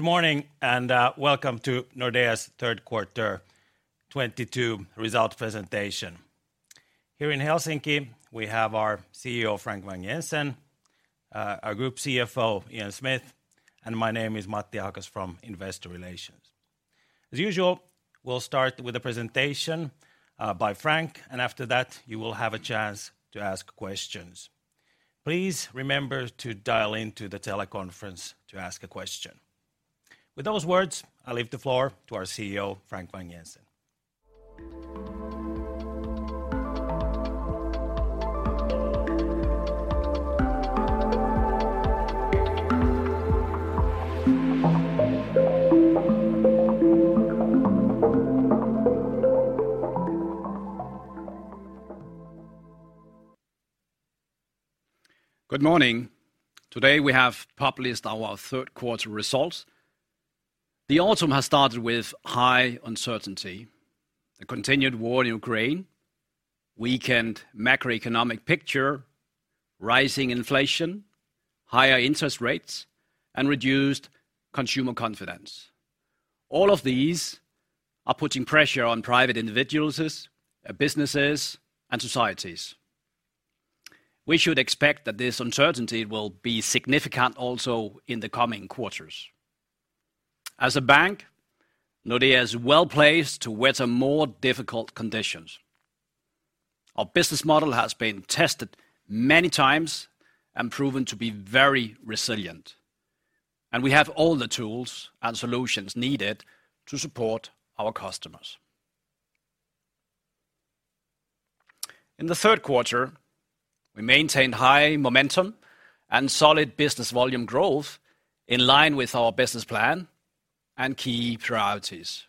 Good morning, welcome to Nordea's third quarter 2022 result presentation. Here in Helsinki, we have our CEO, Frank Vang-Jensen, our Group CFO, Ian Smith, and my name is Matti Ahokas from Investor Relations. As usual, we'll start with a presentation by Frank, and after that you will have a chance to ask questions. Please remember to dial into the teleconference to ask a question. With those words, I leave the floor to our CEO, Frank Vang-Jensen. Good morning. Today, we have published our third quarter results. The autumn has started with high uncertainty. The continued war in Ukraine weakened macroeconomic picture, rising inflation, higher interest rates, and reduced consumer confidence. All of these are putting pressure on private individuals, businesses, and societies. We should expect that this uncertainty will be significant also in the coming quarters. As a bank, Nordea is well-placed to weather more difficult conditions. Our business model has been tested many times and proven to be very resilient, and we have all the tools and solutions needed to support our customers. In the third quarter, we maintained high momentum and solid business volume growth in line with our business plan and key priorities.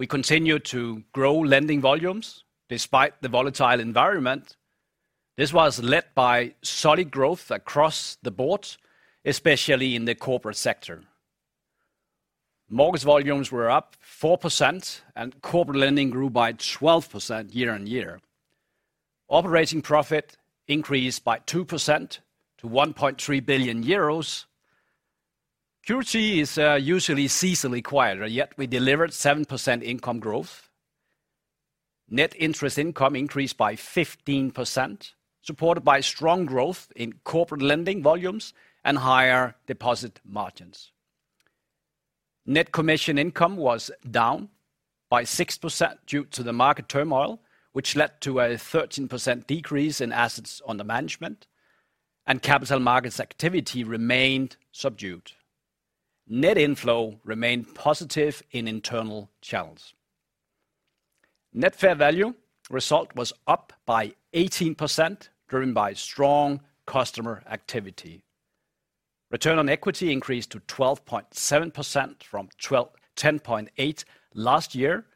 We continued to grow lending volumes despite the volatile environment. This was led by solid growth across the board, especially in the corporate sector. Mortgage volumes were up 4%, and corporate lending grew by 12% year-on-year. Operating profit increased by 2% to 1.3 billion euros. Q3 is usually seasonally quieter, yet we delivered 7% income growth. Net interest income increased by 15%, supported by strong growth in corporate lending volumes and higher deposit margins. Net commission income was down by 6% due to the market turmoil, which led to a 13% decrease in assets under management, and capital markets activity remained subdued. Net inflow remained positive in internal channels. Net fair value result was up by 18%, driven by strong customer activity. Return on equity increased to 12.7% from 10.8% last year,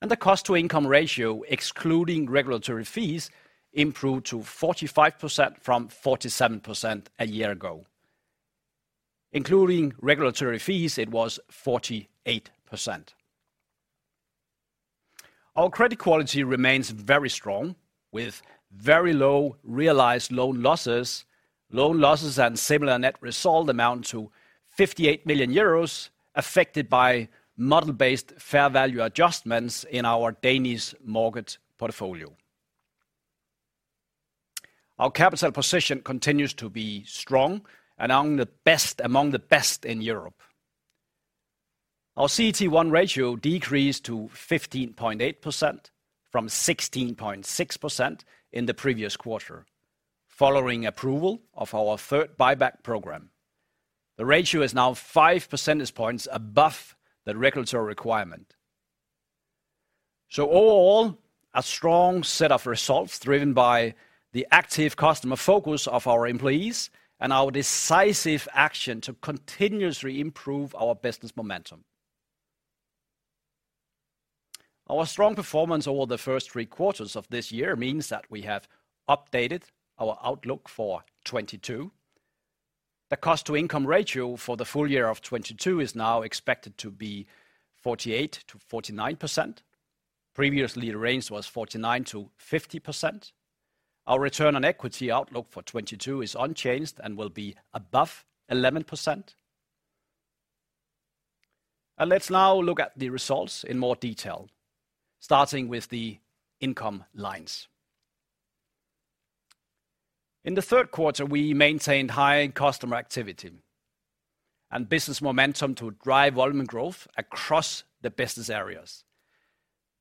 and the cost to income ratio, excluding regulatory fees, improved to 45% from 47% a year ago. Including regulatory fees, it was 48%. Our credit quality remains very strong, with very low realized loan losses. Loan losses and similar net resolved amount to 58 million euros, affected by model-based fair value adjustments in our Danish mortgage portfolio. Our capital position continues to be strong and among the best in Europe. Our CET1 ratio decreased to 15.8% from 16.6% in the previous quarter following approval of our third buyback program. The ratio is now five percentage points above the regulatory requirement. Overall, a strong set of results driven by the active customer focus of our employees and our decisive action to continuously improve our business momentum. Our strong performance over the first three quarters of this year means that we have updated our outlook for 2022. The cost to income ratio for the full year of 2022 is now expected to be 48%-49%. Previously, the range was 49%-50%. Our return on equity outlook for 2022 is unchanged and will be above 11%. Let's now look at the results in more detail, starting with the income lines. In the third quarter, we maintained high customer activity and business momentum to drive volume growth across the business areas.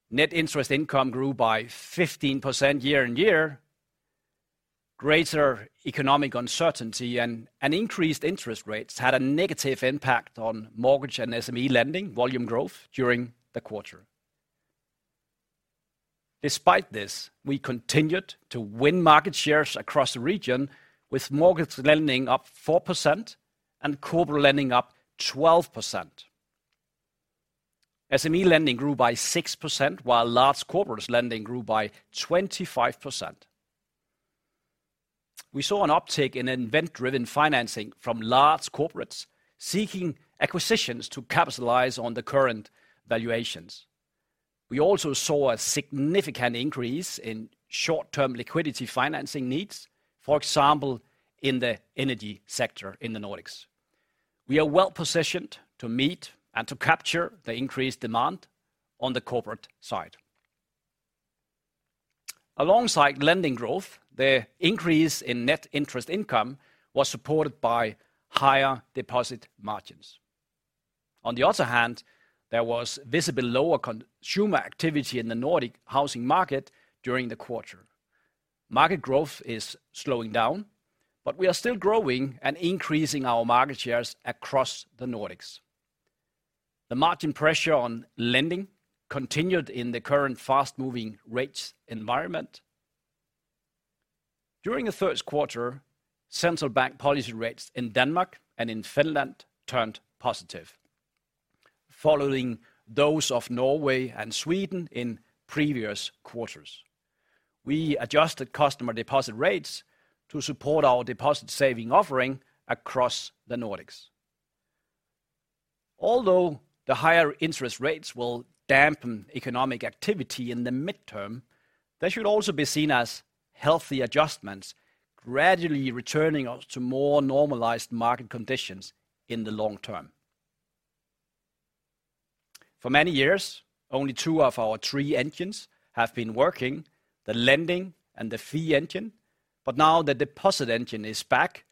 Net interest income grew by 15% year on year. Greater economic uncertainty and increased interest rates had a negative impact on mortgage and SME lending volume growth during the quarter. Despite this, we continued to win market shares across the region, with mortgage lending up 4% and corporate lending up 12%. SME lending grew by 6%, while large corporates lending grew by 25%. We saw an uptick in event-driven financing from large corporates seeking acquisitions to capitalize on the current valuations. We also saw a significant increase in short-term liquidity financing needs, for example, in the energy sector in the Nordics. We are well positioned to meet and to capture the increased demand on the corporate side. Alongside lending growth, the increase in net interest income was supported by higher deposit margins. On the other hand, there was visible lower consumer activity in the Nordic housing market during the quarter. Market growth is slowing down, but we are still growing and increasing our market shares across the Nordics. The margin pressure on lending continued in the current fast-moving rates environment. During the first quarter, central bank policy rates in Denmark and in Finland turned positive, following those of Norway and Sweden in previous quarters. We adjusted customer deposit rates to support our deposit saving offering across the Nordics. Although the higher interest rates will dampen economic activity in the midterm, they should also be seen as healthy adjustments, gradually returning us to more normalized market conditions in the long term. For many years, only two of our three engines have been working, the lending and the fee engine, but now the deposit engine is back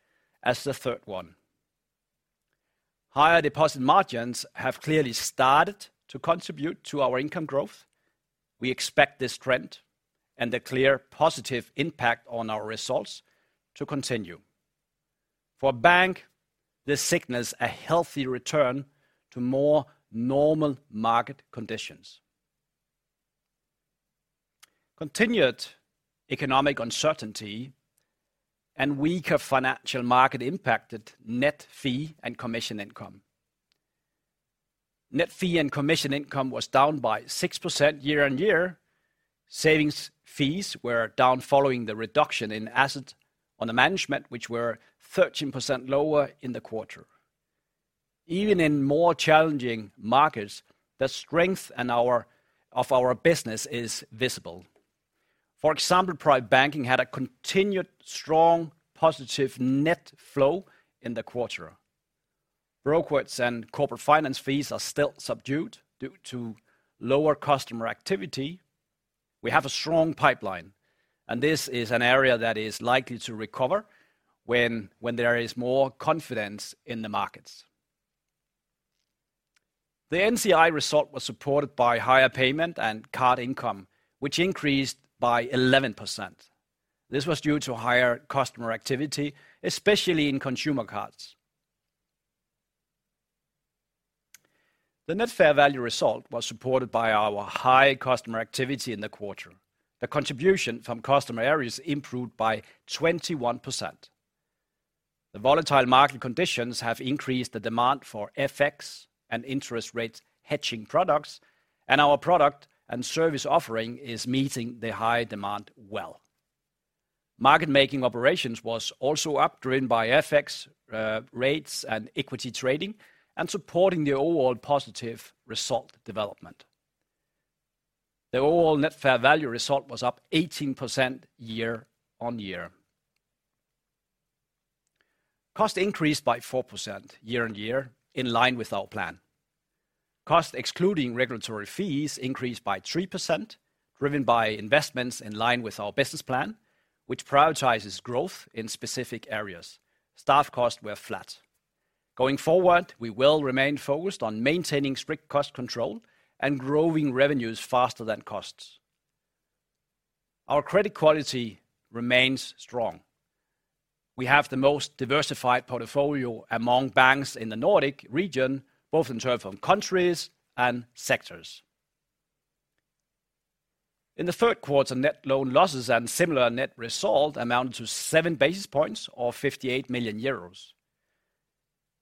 as the third one. Higher deposit margins have clearly started to contribute to our income growth. We expect this trend and the clear positive impact on our results to continue. For a bank, this signals a healthy return to more normal market conditions. Continued economic uncertainty and weaker financial markets impacted net fee and commission income. Net fee and commission income was down by 6% year-over-year. Savings fees were down following the reduction in assets under management, which were 13% lower in the quarter. Even in more challenging markets, the strength of our business is visible. For example, private banking had a continued strong positive net flow in the quarter. Brokerage and corporate finance fees are still subdued due to lower customer activity. We have a strong pipeline, and this is an area that is likely to recover when there is more confidence in the markets. The NCI result was supported by higher payment and card income, which increased by 11%. This was due to higher customer activity, especially in consumer cards. The net fair value result was supported by our high customer activity in the quarter. The contribution from customer areas improved by 21%. The volatile market conditions have increased the demand for FX and interest rate hedging products, and our product and service offering is meeting the high demand well. Market making operations was also up, driven by FX, rates and equity trading and supporting the overall positive result development. The overall net fair value result was up 18% year-on-year. Cost increased by 4% year-on-year in line with our plan. Cost excluding regulatory fees increased by 3%, driven by investments in line with our business plan, which prioritizes growth in specific areas. Staff costs were flat. Going forward, we will remain focused on maintaining strict cost control and growing revenues faster than costs. Our credit quality remains strong. We have the most diversified portfolio among banks in the Nordic region, both in terms of countries and sectors. In the third quarter, net loan losses and similar net result amounted to 7 basis points or 58 million euros.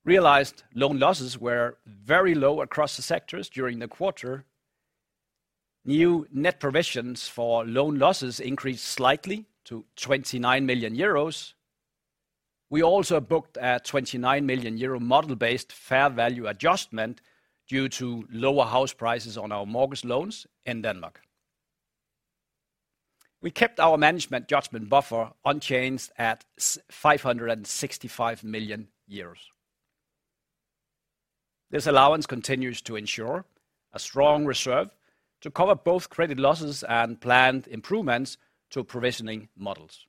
Realized loan losses were very low across the sectors during the quarter. New net provisions for loan losses increased slightly to 29 million euros. We also booked a 29 million euro model-based fair value adjustment due to lower house prices on our mortgage loans in Denmark. We kept our management judgment buffer unchanged at EUR 565 million. This allowance continues to ensure a strong reserve to cover both credit losses and planned improvements to provisioning models.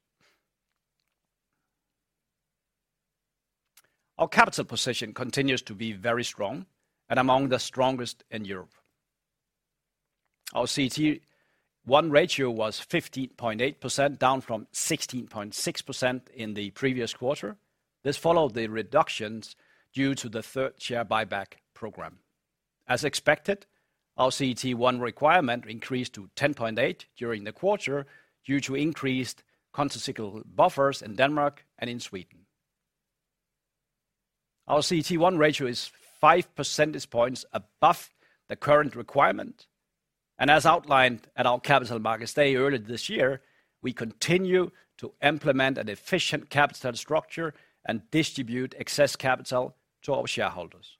Our capital position continues to be very strong and among the strongest in Europe. Our CET1 ratio was 15.8%, down from 16.6% in the previous quarter. This followed the reductions due to the third share buyback program. As expected, our CET1 requirement increased to 10.8 during the quarter due to increased countercyclical buffers in Denmark and in Sweden. Our CET1 ratio is 5 percentage points above the current requirement, and as outlined at our Capital Markets Day earlier this year, we continue to implement an efficient capital structure and distribute excess capital to our shareholders.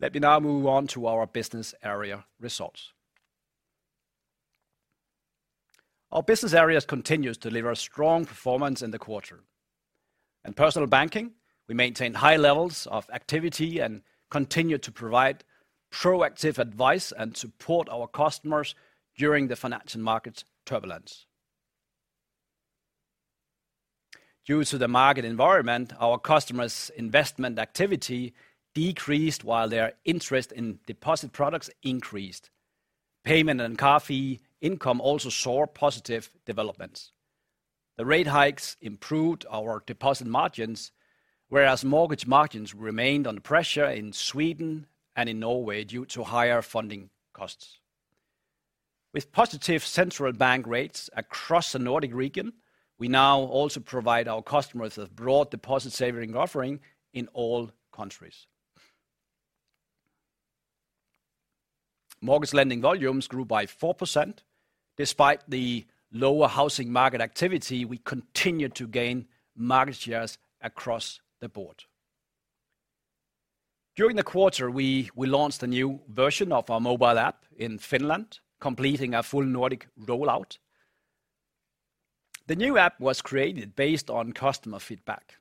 Let me now move on to our business area results. Our business areas continues to deliver strong performance in the quarter. In personal banking, we maintain high levels of activity and continue to provide proactive advice and support our customers during the financial markets turbulence. Due to the market environment, our customers' investment activity decreased while their interest in deposit products increased. Payment and card fee income also saw positive developments. The rate hikes improved our deposit margins, whereas mortgage margins remained under pressure in Sweden and in Norway due to higher funding costs. With positive central bank rates across the Nordic region, we now also provide our customers a broad deposit saving offering in all countries. Mortgage lending volumes grew by 4%. Despite the lower housing market activity, we continued to gain market shares across the board. During the quarter, we launched a new version of our mobile app in Finland, completing a full Nordic rollout. The new app was created based on customer feedback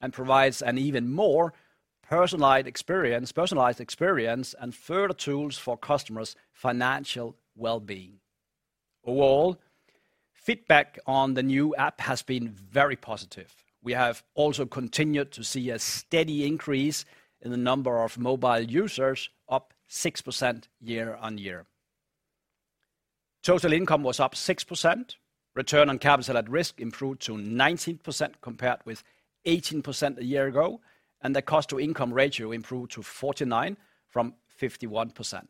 and provides an even more personalized experience and further tools for customers' financial well-being. Overall, feedback on the new app has been very positive. We have also continued to see a steady increase in the number of mobile users, up 6% year-on-year. Total income was up 6%, return on capital at risk improved to 19% compared with 18% a year ago, and the cost-to-income ratio improved to 49% from 51%.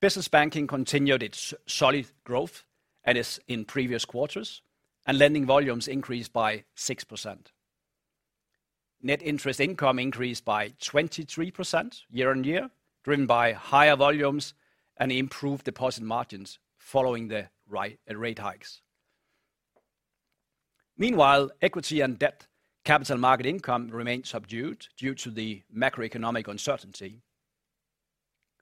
Business banking continued its solid growth as in previous quarters, and lending volumes increased by 6%. Net interest income increased by 23% year-on-year, driven by higher volumes and improved deposit margins following the rate hikes. Meanwhile, equity and debt capital market income remained subdued due to the macroeconomic uncertainty.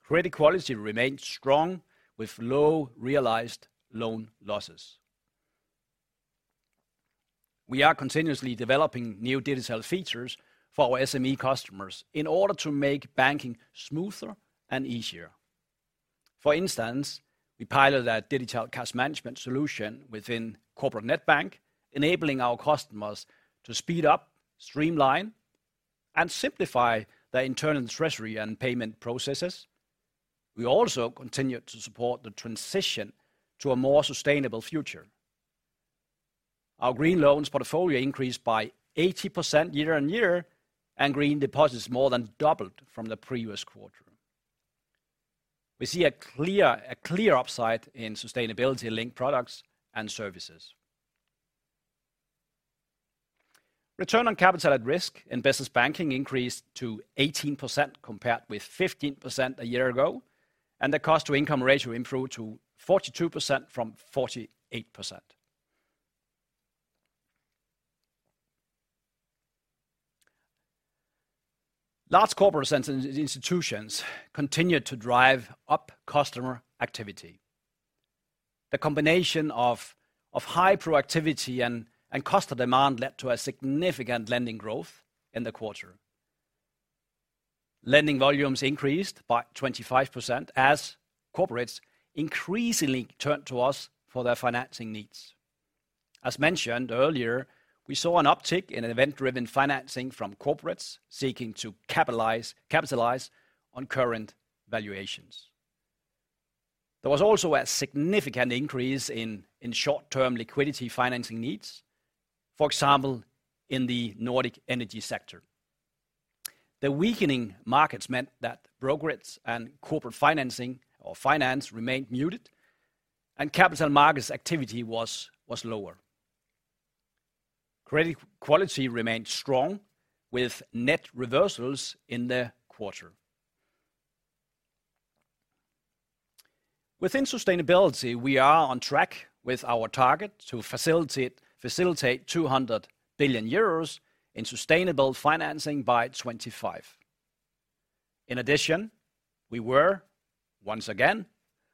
Credit quality remained strong with low realized loan losses. We are continuously developing new digital features for our SME customers in order to make banking smoother and easier. For instance, we piloted a digital cash management solution within Corporate Netbank, enabling our customers to speed up, streamline, and simplify their internal treasury and payment processes. We also continued to support the transition to a more sustainable future. Our green loans portfolio increased by 80% year on year, and green deposits more than doubled from the previous quarter. We see a clear upside in sustainability-linked products and services. Return on capital at risk in business banking increased to 18% compared with 15% a year ago, and the cost-to-income ratio improved to 42% from 48%. Large corporate institutions continued to drive up customer activity. The combination of high proactivity and customer demand led to a significant lending growth in the quarter. Lending volumes increased by 25% as corporates increasingly turned to us for their financing needs. As mentioned earlier, we saw an uptick in event-driven financing from corporates seeking to capitalize on current valuations. There was a significant increase in short-term liquidity financing needs, for example, in the Nordic energy sector. The weakening markets meant that progress and corporate financing or finance remained muted, and capital markets activity was lower. Credit quality remained strong with net reversals in the quarter. Within sustainability, we are on track with our target to facilitate 200 billion euros in sustainable financing by 2025. In addition, we were once again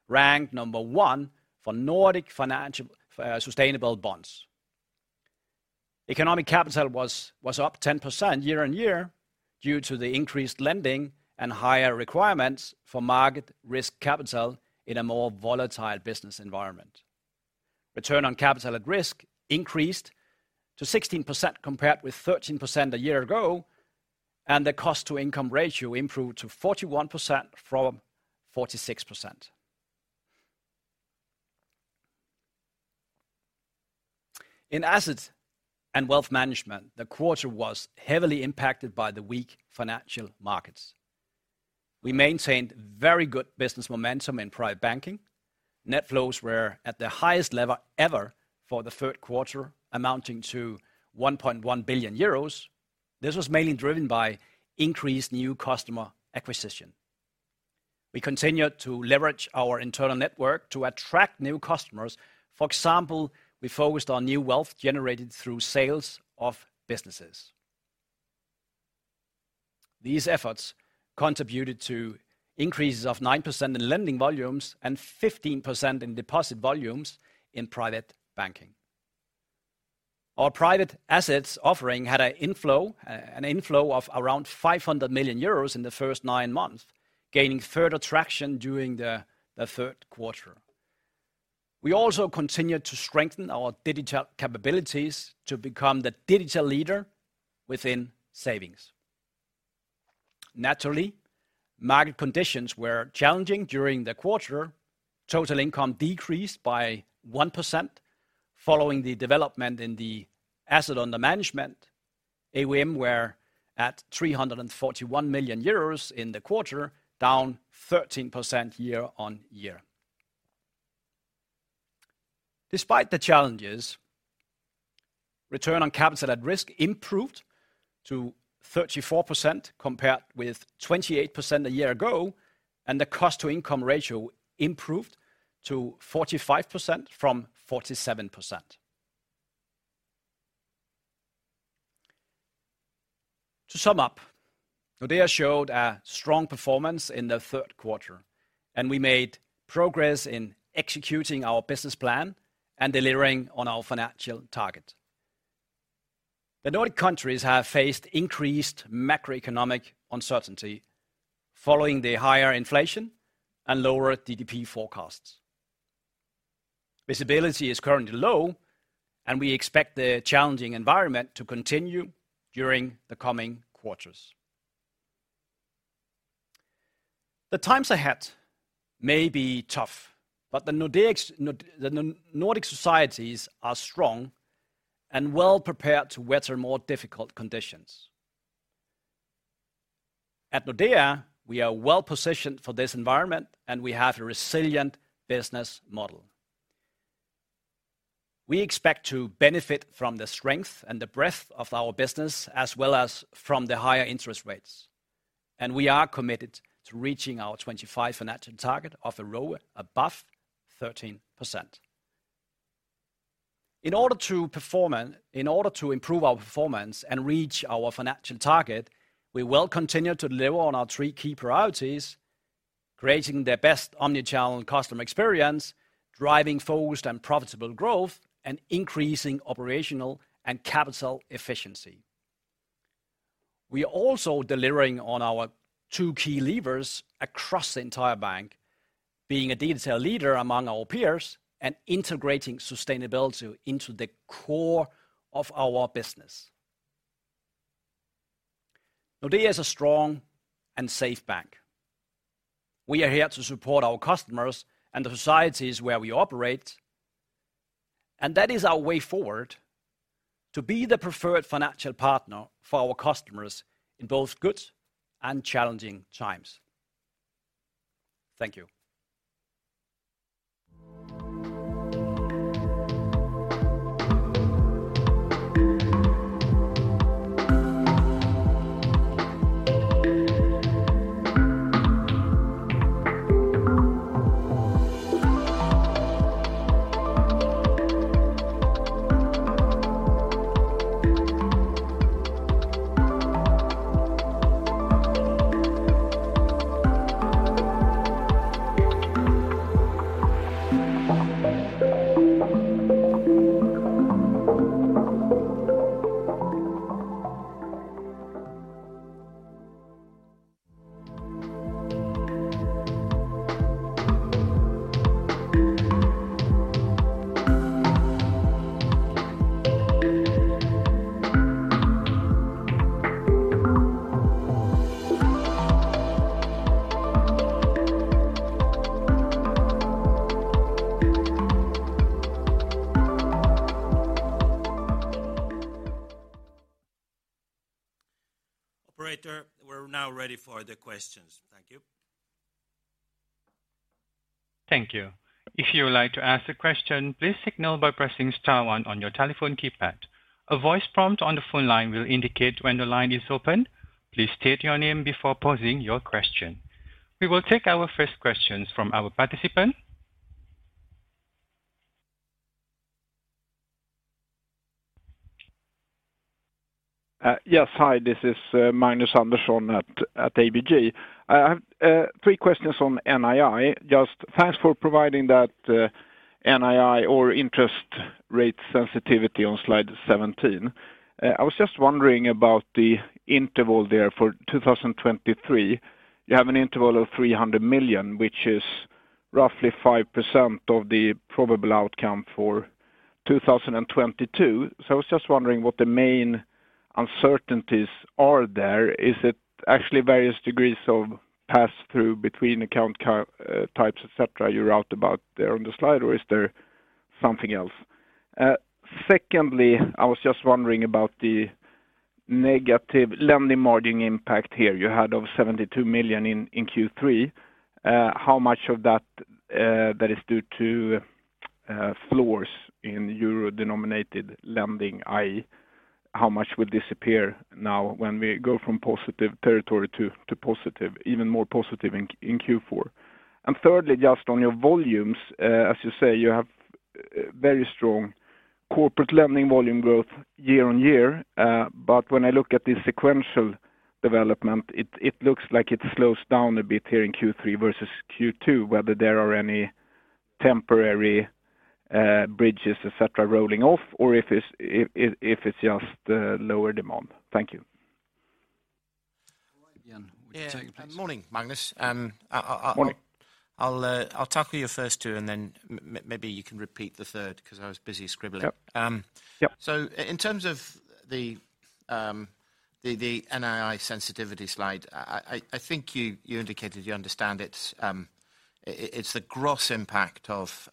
ranked number one for Nordic financial sustainable bonds. Economic capital was up 10% year-on-year due to the increased lending and higher requirements for market risk capital in a more volatile business environment. Return on capital at risk increased to 16% compared with 13% a year ago, and the cost-to-income ratio improved to 41% from 46%. In assets and wealth management, the quarter was heavily impacted by the weak financial markets. We maintained very good business momentum in private banking. Net flows were at the highest level ever for the third quarter, amounting to 1.1 billion euros. This was mainly driven by increased new customer acquisition. We continue to leverage our internal network to attract new customers. For example, we focused on new wealth generated through sales of businesses. These efforts contributed to increases of 9% in lending volumes and 15% in deposit volumes in private banking. Our private assets offering had an inflow of around 500 million euros in the first nine months, gaining further traction during the third quarter. We also continued to strengthen our digital capabilities to become the digital leader within savings. Naturally, market conditions were challenging during the quarter. Total income decreased by 1% following the development in the asset under management. AUM were at 341 million euros in the quarter, down 13% year-on-year. Despite the challenges, return on capital at risk improved to 34% compared with 28% a year ago, and the cost to income ratio improved to 45% from 47%. To sum up, Nordea showed a strong performance in the third quarter, and we made progress in executing our business plan and delivering on our financial target. The Nordic countries have faced increased macroeconomic uncertainty following the higher inflation and lower GDP forecasts. Visibility is currently low, and we expect the challenging environment to continue during the coming quarters. The times ahead may be tough, but the Nordic societies are strong and well prepared to weather more difficult conditions. At Nordea, we are well-positioned for this environment, and we have a resilient business model. We expect to benefit from the strength and the breadth of our business as well as from the higher interest rates. We are committed to reaching our 2025 financial target of a ROE above 13%. In order to improve our performance and reach our financial target, we will continue to deliver on our three key priorities, creating the best omnichannel and customer experience, driving focused and profitable growth, and increasing operational and capital efficiency. We are also delivering on our two key levers across the entire bank, being a digital leader among our peers and integrating sustainability into the core of our business. Nordea is a strong and safe bank. We are here to support our customers and the societies where we operate, and that is our way forward to be the preferred financial partner for our customers in both good and challenging times. Thank you. Operator, we're now ready for the questions. Thank you. Thank you. If you would like to ask a question, please signal by pressing star one on your telephone keypad. A voice prompt on the phone line will indicate when the line is open. Please state your name before posing your question. We will take our first questions from our participant. Yes. Hi, this is Magnus Andersson at ABG. I have three questions on NII. Just thanks for providing that NII or interest rate sensitivity on slide 17. I was just wondering about the interval there for 2023. You have an interval of 300 million, which is roughly 5% of the probable outcome for 2022. I was just wondering what the main uncertainties are there. Is it actually various degrees of pass through between account types, et cetera, you wrote about there on the slide, or is there something else? Secondly, I was just wondering about the negative lending margin impact here you had of 72 million in Q3. How much of that is due to floors in euro-denominated lending, i.e., how much will disappear now when we go from positive territory to positive, even more positive in Q4? Thirdly, just on your volumes, as you say, you have very strong corporate lending volume growth year-on-year. When I look at the sequential development, it looks like it slows down a bit here in Q3 versus Q2, whether there are any temporary bridges, et cetera, rolling off or if it's just lower demand. Thank you. All right, Ian, would you take this? Yeah. Morning, Magnus. I'll Morning. I'll tackle your first two and then maybe you can repeat the third because I was busy scribbling. Yep. Yep. In terms of the NII sensitivity slide, I think you indicated you understand it. It's the gross impact of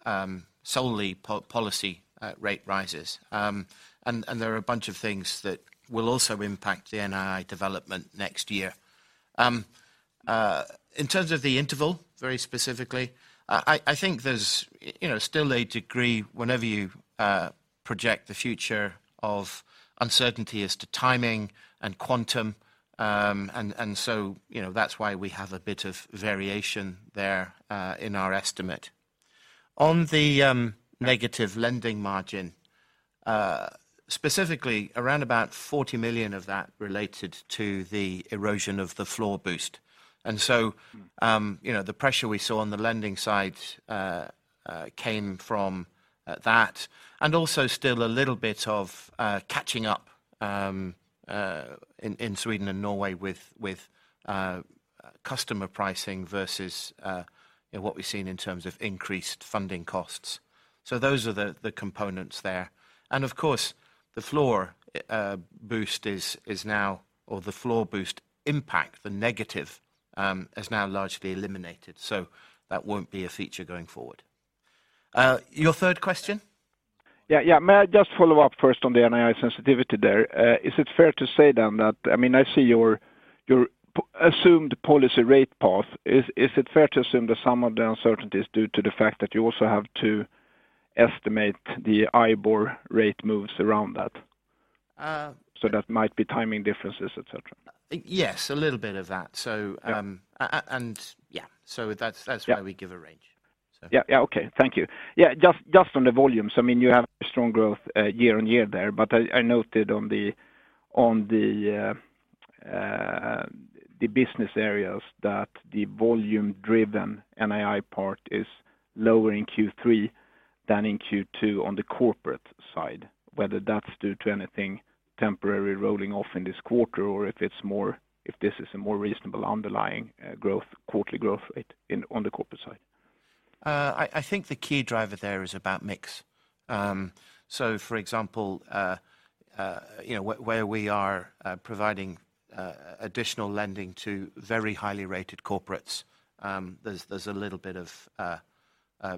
solely policy rate rises. There are a bunch of things that will also impact the NII development next year. In terms of the interval, very specifically, I think there's, you know, still a degree whenever you project the future of uncertainty as to timing and quantum. You know, that's why we have a bit of variation there in our estimate. On the negative lending margin, specifically around about 40 million of that related to the erosion of the floor boost. Mm. You know, the pressure we saw on the lending side came from that, and also still a little bit of catching up in Sweden and Norway with customer pricing versus what we've seen in terms of increased funding costs. Those are the components there. Of course, the floor boost is now or the floor boost impact, the negative, is now largely eliminated. That won't be a feature going forward. Your third question? Yeah, yeah. May I just follow up first on the NII sensitivity there. Is it fair to say then that I mean, I see your pre-assumed policy rate path. Is it fair to assume that some of the uncertainty is due to the fact that you also have to estimate the IBOR rate moves around that? Uh. That might be timing differences, et cetera. Yes, a little bit of that. Yeah. Yeah. That's. Yeah. Why we give a range. Yeah. Yeah. Okay. Thank you. Yeah, just on the volumes, I mean, you have strong growth year-over-year there, but I noted on the business areas that the volume-driven NII part is lower in Q3 than in Q2 on the corporate side, whether that's due to anything temporary rolling off in this quarter or if this is a more reasonable underlying growth, quarterly growth rate on the corporate side. I think the key driver there is about mix. For example, you know, where we are providing additional lending to very highly rated corporates, there's a little bit of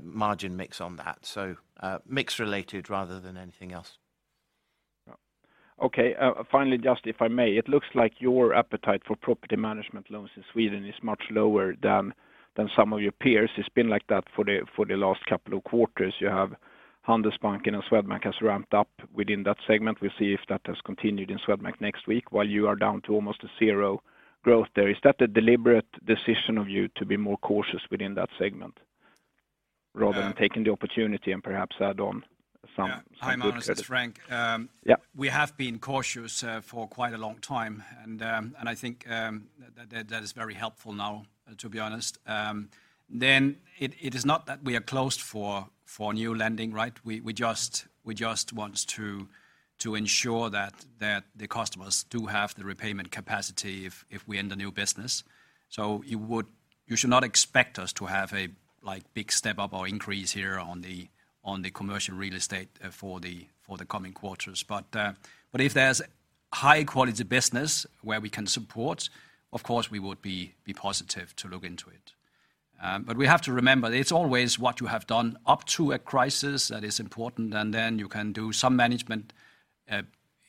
margin mix on that. Mix related rather than anything else. Yeah. Okay. Finally, just if I may, it looks like your appetite for property management loans in Sweden is much lower than some of your peers. It's been like that for the last couple of quarters. You have Handelsbanken and Swedbank has ramped up within that segment. We'll see if that has continued in Swedbank next week, while you are down to almost zero growth there. Is that a deliberate decision of you to be more cautious within that segment? Um- Rather than taking the opportunity and perhaps add on some good credit. Yeah. Hi, Magnus, it's Frank. Yeah. We have been cautious for quite a long time. I think that is very helpful now, to be honest. It is not that we are closed for new lending, right? We just want to ensure that the customers do have the repayment capacity if we end the new business. You should not expect us to have a like big step-up or increase here on the commercial real estate for the coming quarters. If there's high-quality business where we can support, of course, we would be positive to look into it. We have to remember, it's always what you have done up to a crisis that is important, and then you can do some management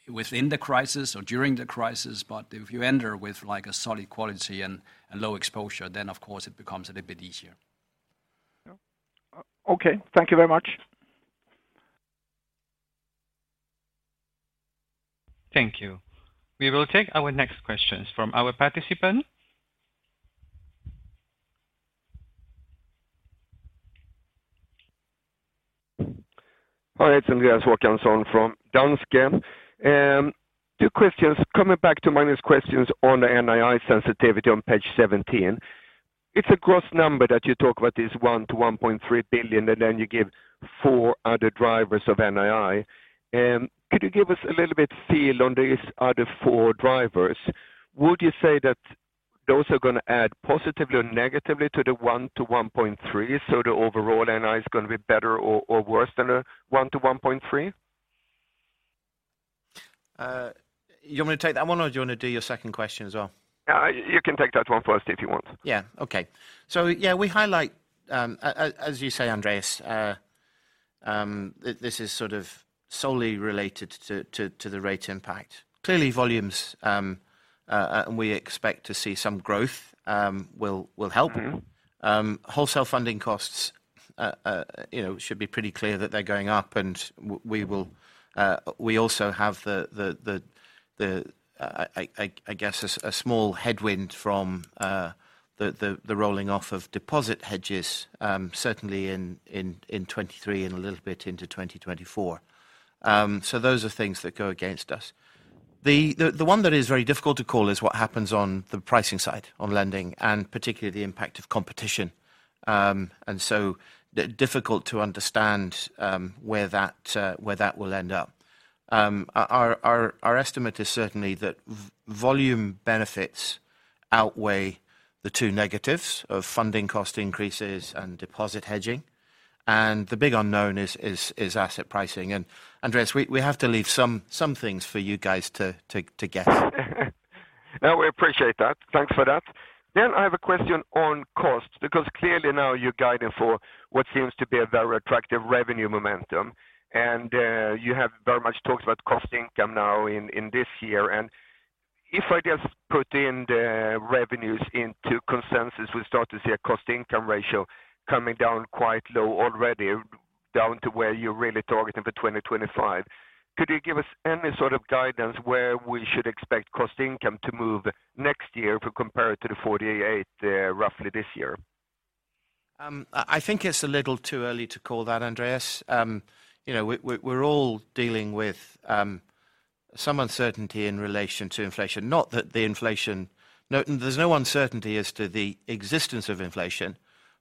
within the crisis or during the crisis. If you enter with, like, a solid quality and low exposure, then of course it becomes a little bit easier. Yeah. Okay. Thank you very much. Thank you. We will take our next questions from our participant. Hi, it's Andreas Håkansson from Danske. Two questions. Coming back to Magnus' questions on the NII sensitivity on page 17. It's a gross number that you talk about, this 1 billion-1.3 billion, and then you give four other drivers of NII. Could you give us a little bit feel on these other four drivers? Would you say that those are gonna add positively or negatively to the 1 billion-1.3 billion, so the overall NII is gonna be better or worse than 1 billion-1.3 billion? You want me to take that one or do you want to do your second question as well? You can take that one first if you want. We highlight, as you say, Andreas, this is sort of solely related to the rate impact. Clearly, volumes and we expect to see some growth will help. Wholesale funding costs, you know, should be pretty clear that they're going up. We also have, I guess, a small headwind from the rolling off of deposit hedges, certainly in 2023 and a little bit into 2024. Those are things that go against us. The one that is very difficult to call is what happens on the pricing side on lending, and particularly the impact of competition, and so difficult to understand where that will end up. Our estimate is certainly that volume benefits outweigh the two negatives of funding cost increases and deposit hedging. The big unknown is asset pricing. Andreas, we have to leave some things for you guys to guess. No, we appreciate that. Thanks for that. I have a question on cost, because clearly now you're guiding for what seems to be a very attractive revenue momentum. You have very much talked about cost/income now in this year. If I just put in the revenues into consensus, we start to see a cost/income ratio coming down quite low already, down to where you're really targeting for 2025. Could you give us any sort of guidance where we should expect cost/income to move next year if we compare it to the 48, roughly this year? I think it's a little too early to call that, Andreas. You know, we're all dealing with some uncertainty in relation to inflation. No, there's no uncertainty as to the existence of inflation,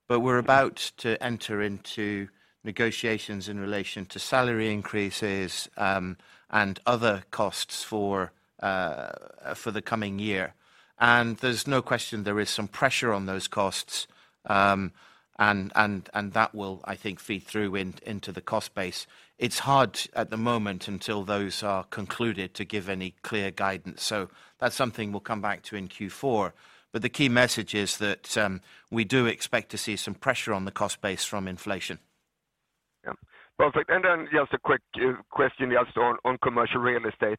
but we're about to enter into negotiations in relation to salary increases and other costs for the coming year. There's no question there is some pressure on those costs and that will, I think, feed through into the cost base. It's hard at the moment until those are concluded to give any clear guidance. That's something we'll come back to in Q4. The key message is that we do expect to see some pressure on the cost base from inflation. Yeah. Perfect. Just a quick question just on commercial real estate.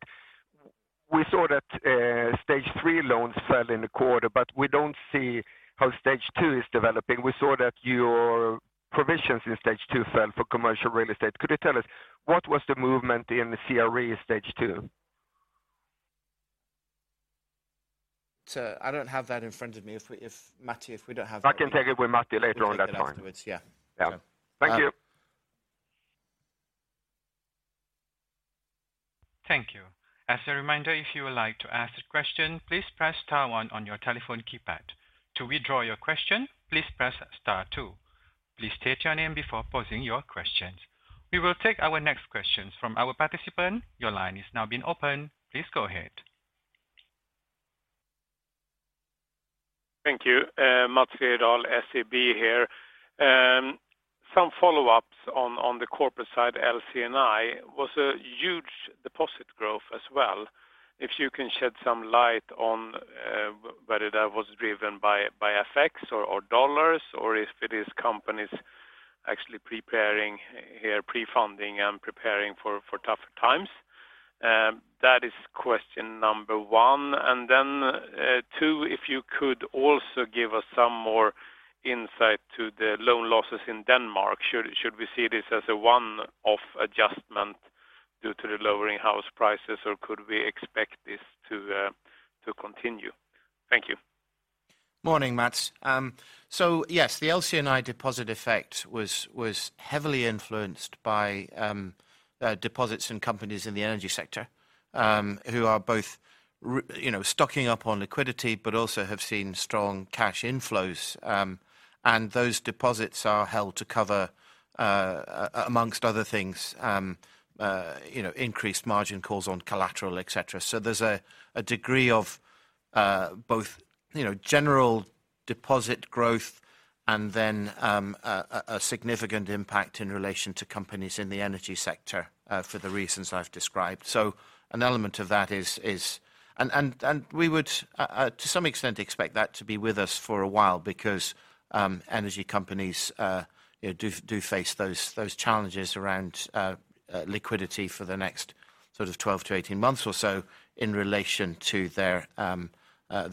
We saw that stage three loans fell in the quarter, but we don't see how stage two is developing. We saw that your provisions in stage two fell for commercial real estate. Could you tell us what was the movement in the CRE stage two? I don't have that in front of me. Matti, if we don't have that. I can take it with Matti later on. That's fine. We'll take that afterwards. Yeah. Yeah. Thank you. Um. Thank you. As a reminder, if you would like to ask a question, please press star one on your telephone keypad. To withdraw your question, please press star two. Please state your name before posing your questions. We will take our next questions from our participant. Your line has now been opened. Please go ahead. Thank you. Mats Hedal, SEB here. Some follow-ups on the corporate side, LC&I, was a huge deposit growth as well. If you can shed some light on whether that was driven by FX or dollars, or if it is companies actually preparing here pre-funding and preparing for tougher times. That is question number one. Then, two, if you could also give us some more insight to the loan losses in Denmark. Should we see this as a one-off adjustment due to the lowering house prices, or could we expect this to continue? Thank you. Morning, Mats. Yes, the LC&I deposit effect was heavily influenced by deposits in companies in the energy sector, who are both you know, stocking up on liquidity, but also have seen strong cash inflows. Those deposits are held to cover amongst other things you know, increased margin calls on collateral, et cetera. There's a degree of both you know, general deposit growth and then a significant impact in relation to companies in the energy sector for the reasons I've described. An element of that is. We would to some extent expect that to be with us for a while because energy companies you know do face those challenges around liquidity for the next sort of 12-18 months or so in relation to their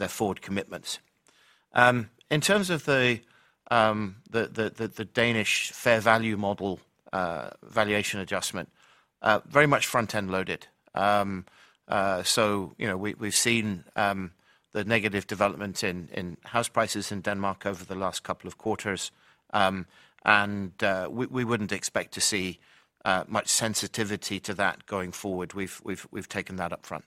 forward commitments. In terms of the Danish fair value model valuation adjustment, very much front-end loaded. You know we've seen the negative development in house prices in Denmark over the last couple of quarters. We wouldn't expect to see much sensitivity to that going forward. We've taken that up front.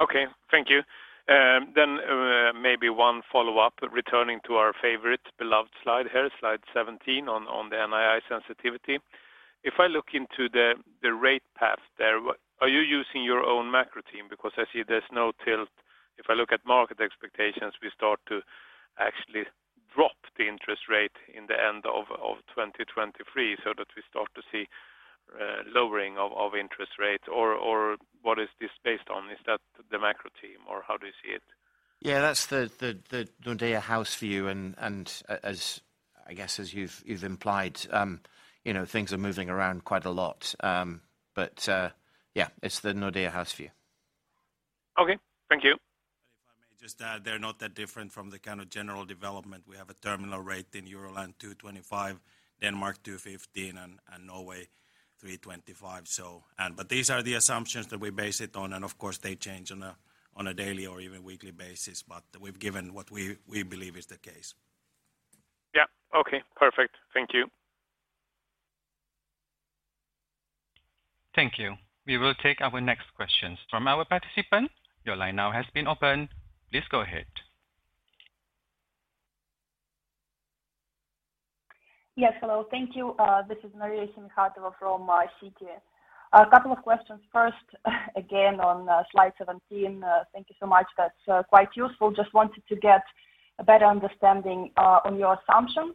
Okay. Thank you. Maybe one follow-up, returning to our favorite beloved slide here, slide 17 on the NII sensitivity. If I look into the rate path there, are you using your own macro team? Because I see there's no tilt. If I look at market expectations, we start to actually drop the interest rate in the end of 2023 so that we start to see lowering of interest rates or what is this based on? Is that the macro team, or how do you see it? Yeah. That's the Nordea house view and as I guess as you've implied, you know, things are moving around quite a lot. Yeah, it's the Nordea house view. Okay. Thank you. If I may just add, they're not that different from the kind of general development. We have a terminal rate in Euroland 2.25%, Denmark 2.15% and Norway 3.25%. These are the assumptions that we base it on, and of course, they change on a daily or even weekly basis. We've given what we believe is the case. Yeah. Okay, perfect. Thank you. Thank you. We will take our next questions from our participant. Your line now has been opened. Please go ahead. Yes. Hello. Thank you. This is Maria Semikhatova from Citi. A couple of questions first, again on slide 17. Thank you so much. That's quite useful. Just wanted to get a better understanding on your assumptions.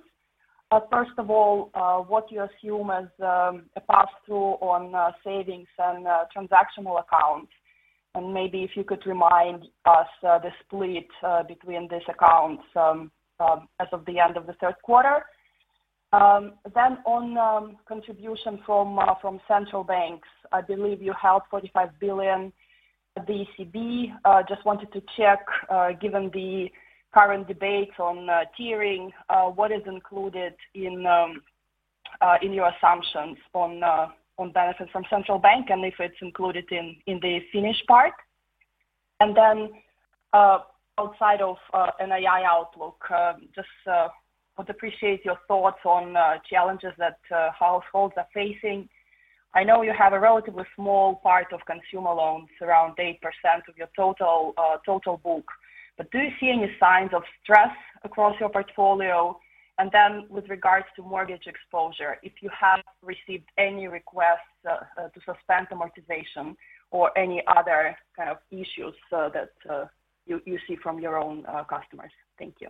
First of all, what you assume as a pass-through on savings and transactional accounts, and maybe if you could remind us the split between these accounts as of the end of the third quarter. On contribution from central banks, I believe you held 45 billion at the ECB. Just wanted to check, given the current debates on tiering, what is included in your assumptions on benefits from central bank, and if it's included in the Finnish part. Outside of NII outlook, just would appreciate your thoughts on challenges that households are facing. I know you have a relatively small part of consumer loans, around 8% of your total book. Do you see any signs of stress across your portfolio? With regards to mortgage exposure, if you have received any requests to suspend amortization or any other kind of issues that you see from your own customers. Thank you.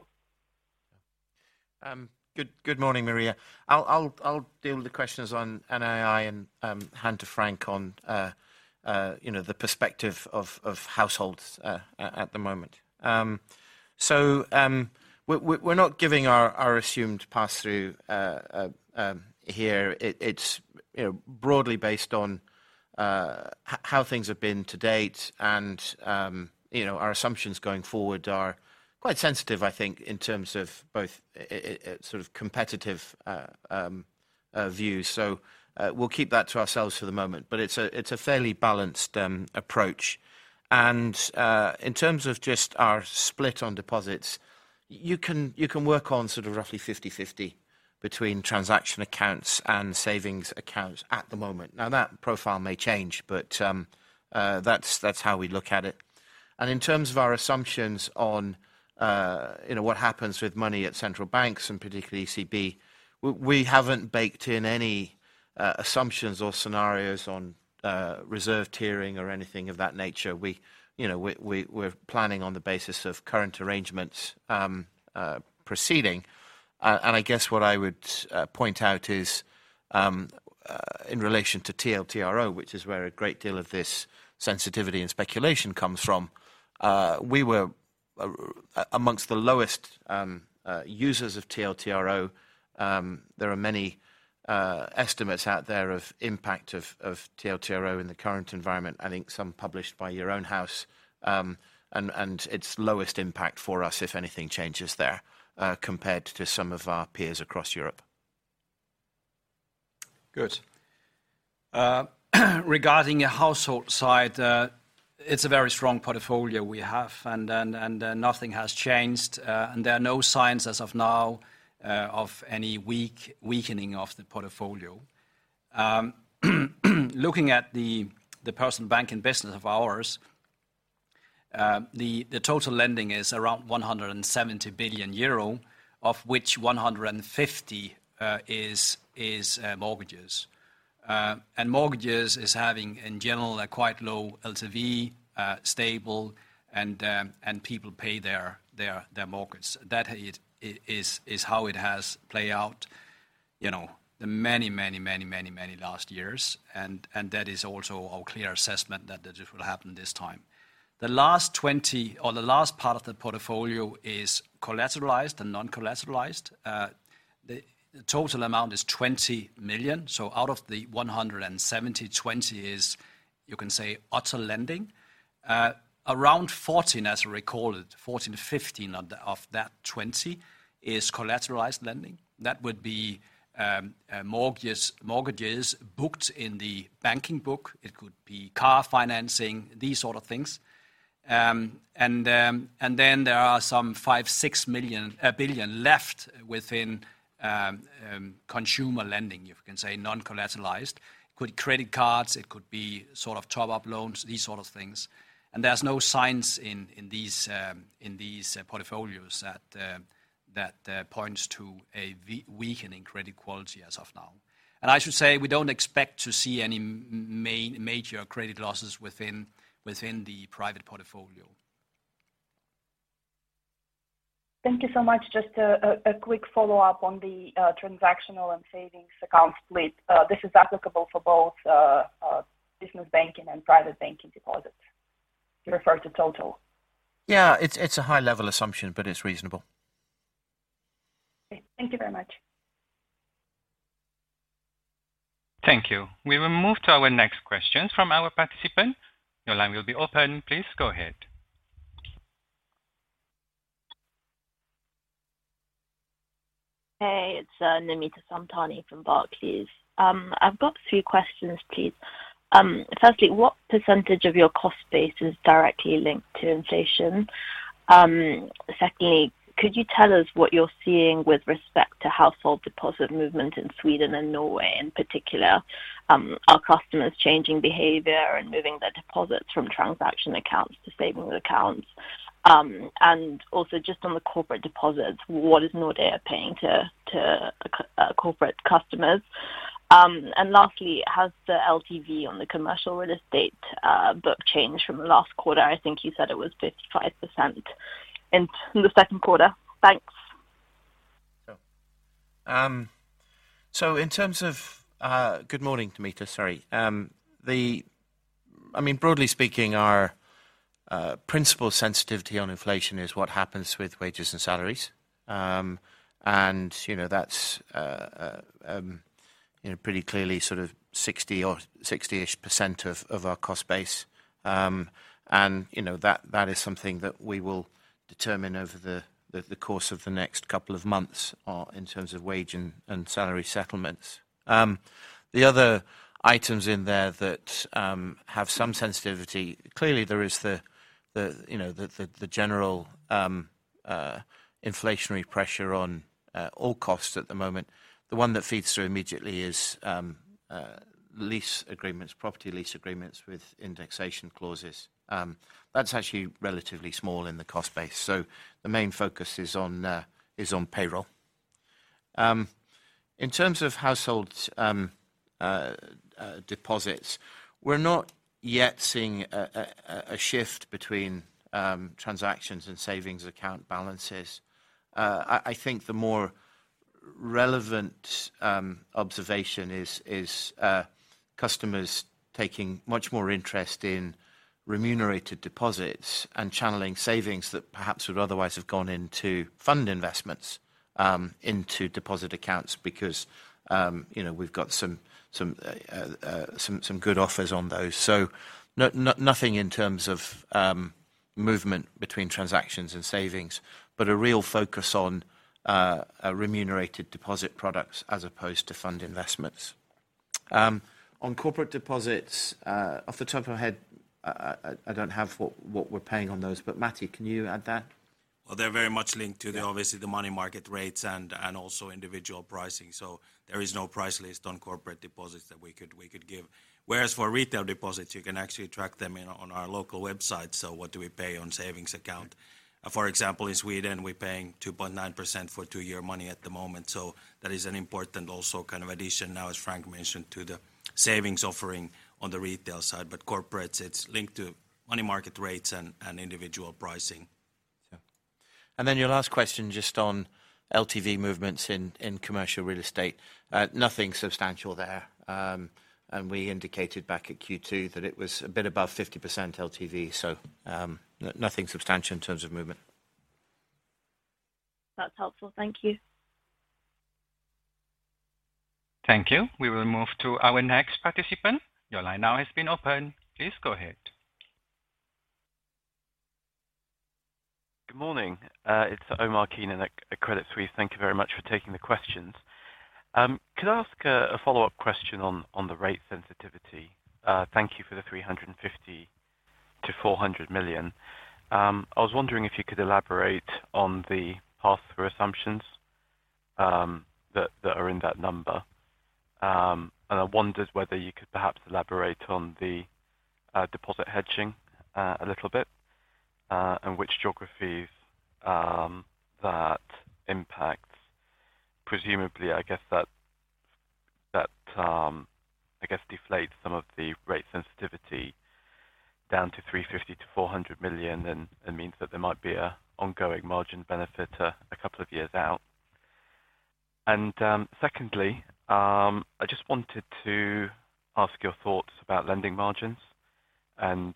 Good morning, Maria. I'll deal with the questions on NII and hand to Frank on you know, the perspective of households at the moment. We're not giving our assumed pass-through here. It's you know, broadly based on how things have been to date. You know, our assumptions going forward are quite sensitive, I think, in terms of both sort of competitive views. We'll keep that to ourselves for the moment. It's a fairly balanced approach. In terms of just our split on deposits, you can work on sort of roughly 50/50 between transaction accounts and savings accounts at the moment. Now, that profile may change, but that's how we look at it. In terms of our assumptions on you know what happens with money at central banks, and particularly ECB, we haven't baked in any assumptions or scenarios on reserve tiering or anything of that nature. You know, we're planning on the basis of current arrangements proceeding. I guess what I would point out is in relation to TLTRO, which is where a great deal of this sensitivity and speculation comes from, we were amongst the lowest users of TLTRO. There are many estimates out there of impact of TLTRO in the current environment. I think some published by your own house. It's lowest impact for us if anything changes there, compared to some of our peers across Europe. Good. Regarding a household side, it's a very strong portfolio we have and nothing has changed. There are no signs as of now of any weakening of the portfolio. Looking at the personal banking business of ours, the total lending is around 170 billion euro, of which 150 billion is mortgages. Mortgages is having in general a quite low LTV, stable and people pay their mortgage. That is how it has played out, you know, the many last years. That is also our clear assessment that it will happen this time. The last 20 or the last part of the portfolio is collateralized and non-collateralized. The total amount is 20 million. Out of the 170, 20 is, you can say, other lending. Around 14 as recorded, 14-15 of that 20 is collateralized lending. That would be mortgages booked in the banking book. It could be car financing, these sort of things. And then there are some 5 billion-6 billion left within consumer lending, you can say non-collateralized. Could credit cards, it could be sort of top-up loans, these sort of things. There's no signs in these portfolios that points to a weakening credit quality as of now. I should say, we don't expect to see any major credit losses within the private portfolio. Thank you so much. Just a quick follow-up on the transactional and savings account split. This is applicable for both business banking and private banking deposits. You refer to total? Yeah, it's a high level assumption, but it's reasonable. Okay. Thank you very much. Thank you. We will move to our next question from our participant. Your line will be open. Please go ahead. Hey, it's Namita Samtani from Barclays. I've got three questions, please. Firstly, what percentage of your cost base is directly linked to inflation? Secondly, could you tell us what you're seeing with respect to household deposit movement in Sweden and Norway in particular? Are customers changing behavior and moving their deposits from transaction accounts to savings accounts? And also just on the corporate deposits, what is Nordea paying to corporate customers? And lastly, has the LTV on the commercial real estate book changed from last quarter? I think you said it was 55% in the second quarter. Thanks. Good morning, Namita. Sorry. I mean, broadly speaking, our principal sensitivity on inflation is what happens with wages and salaries. You know, that's pretty clearly sort of 60 or 60-ish% of our cost base. You know, that is something that we will determine over the course of the next couple of months in terms of wage and salary settlements. The other items in there that have some sensitivity. Clearly, there is the general inflationary pressure on all costs at the moment. The one that feeds through immediately is lease agreements, property lease agreements with indexation clauses. That's actually relatively small in the cost base. The main focus is on payroll. In terms of household deposits, we're not yet seeing a shift between transactions and savings account balances. I think the more relevant observation is customers taking much more interest in remunerated deposits and channeling savings that perhaps would otherwise have gone into fund investments into deposit accounts because, you know, we've got some good offers on those. Nothing in terms of movement between transactions and savings, but a real focus on remunerated deposit products as opposed to fund investments. On corporate deposits, off the top of my head, I don't have what we're paying on those, but Matti, can you add that? Well, they're very much linked to the Yeah. Obviously the money market rates and also individual pricing. There is no price list on corporate deposits that we could give. Whereas for retail deposits, you can actually track them in on our local website. What do we pay on savings account? For example, in Sweden, we're paying 2.9% for two-year money at the moment, that is an important also kind of addition now, as Frank mentioned, to the savings offering on the retail side. Corporates, it's linked to money market rates and individual pricing. Your last question just on LTV movements in commercial real estate. Nothing substantial there. We indicated back at Q2 that it was a bit above 50% LTV. Nothing substantial in terms of movement. That's helpful. Thank you. Thank you. We will move to our next participant. Your line now has been opened. Please go ahead. Good morning. It's Omar Keenan at Credit Suisse. Thank you very much for taking the questions. Could I ask a follow-up question on the rate sensitivity? Thank you for the 350 million-400 million. I was wondering if you could elaborate on the pass-through assumptions that are in that number. I wondered whether you could perhaps elaborate on the deposit hedging a little bit, and which geographies that impacts. Presumably, I guess that deflates some of the rate sensitivity down to 350 million-400 million, and it means that there might be an ongoing margin benefit a couple of years out. Secondly, I just wanted to ask your thoughts about lending margins and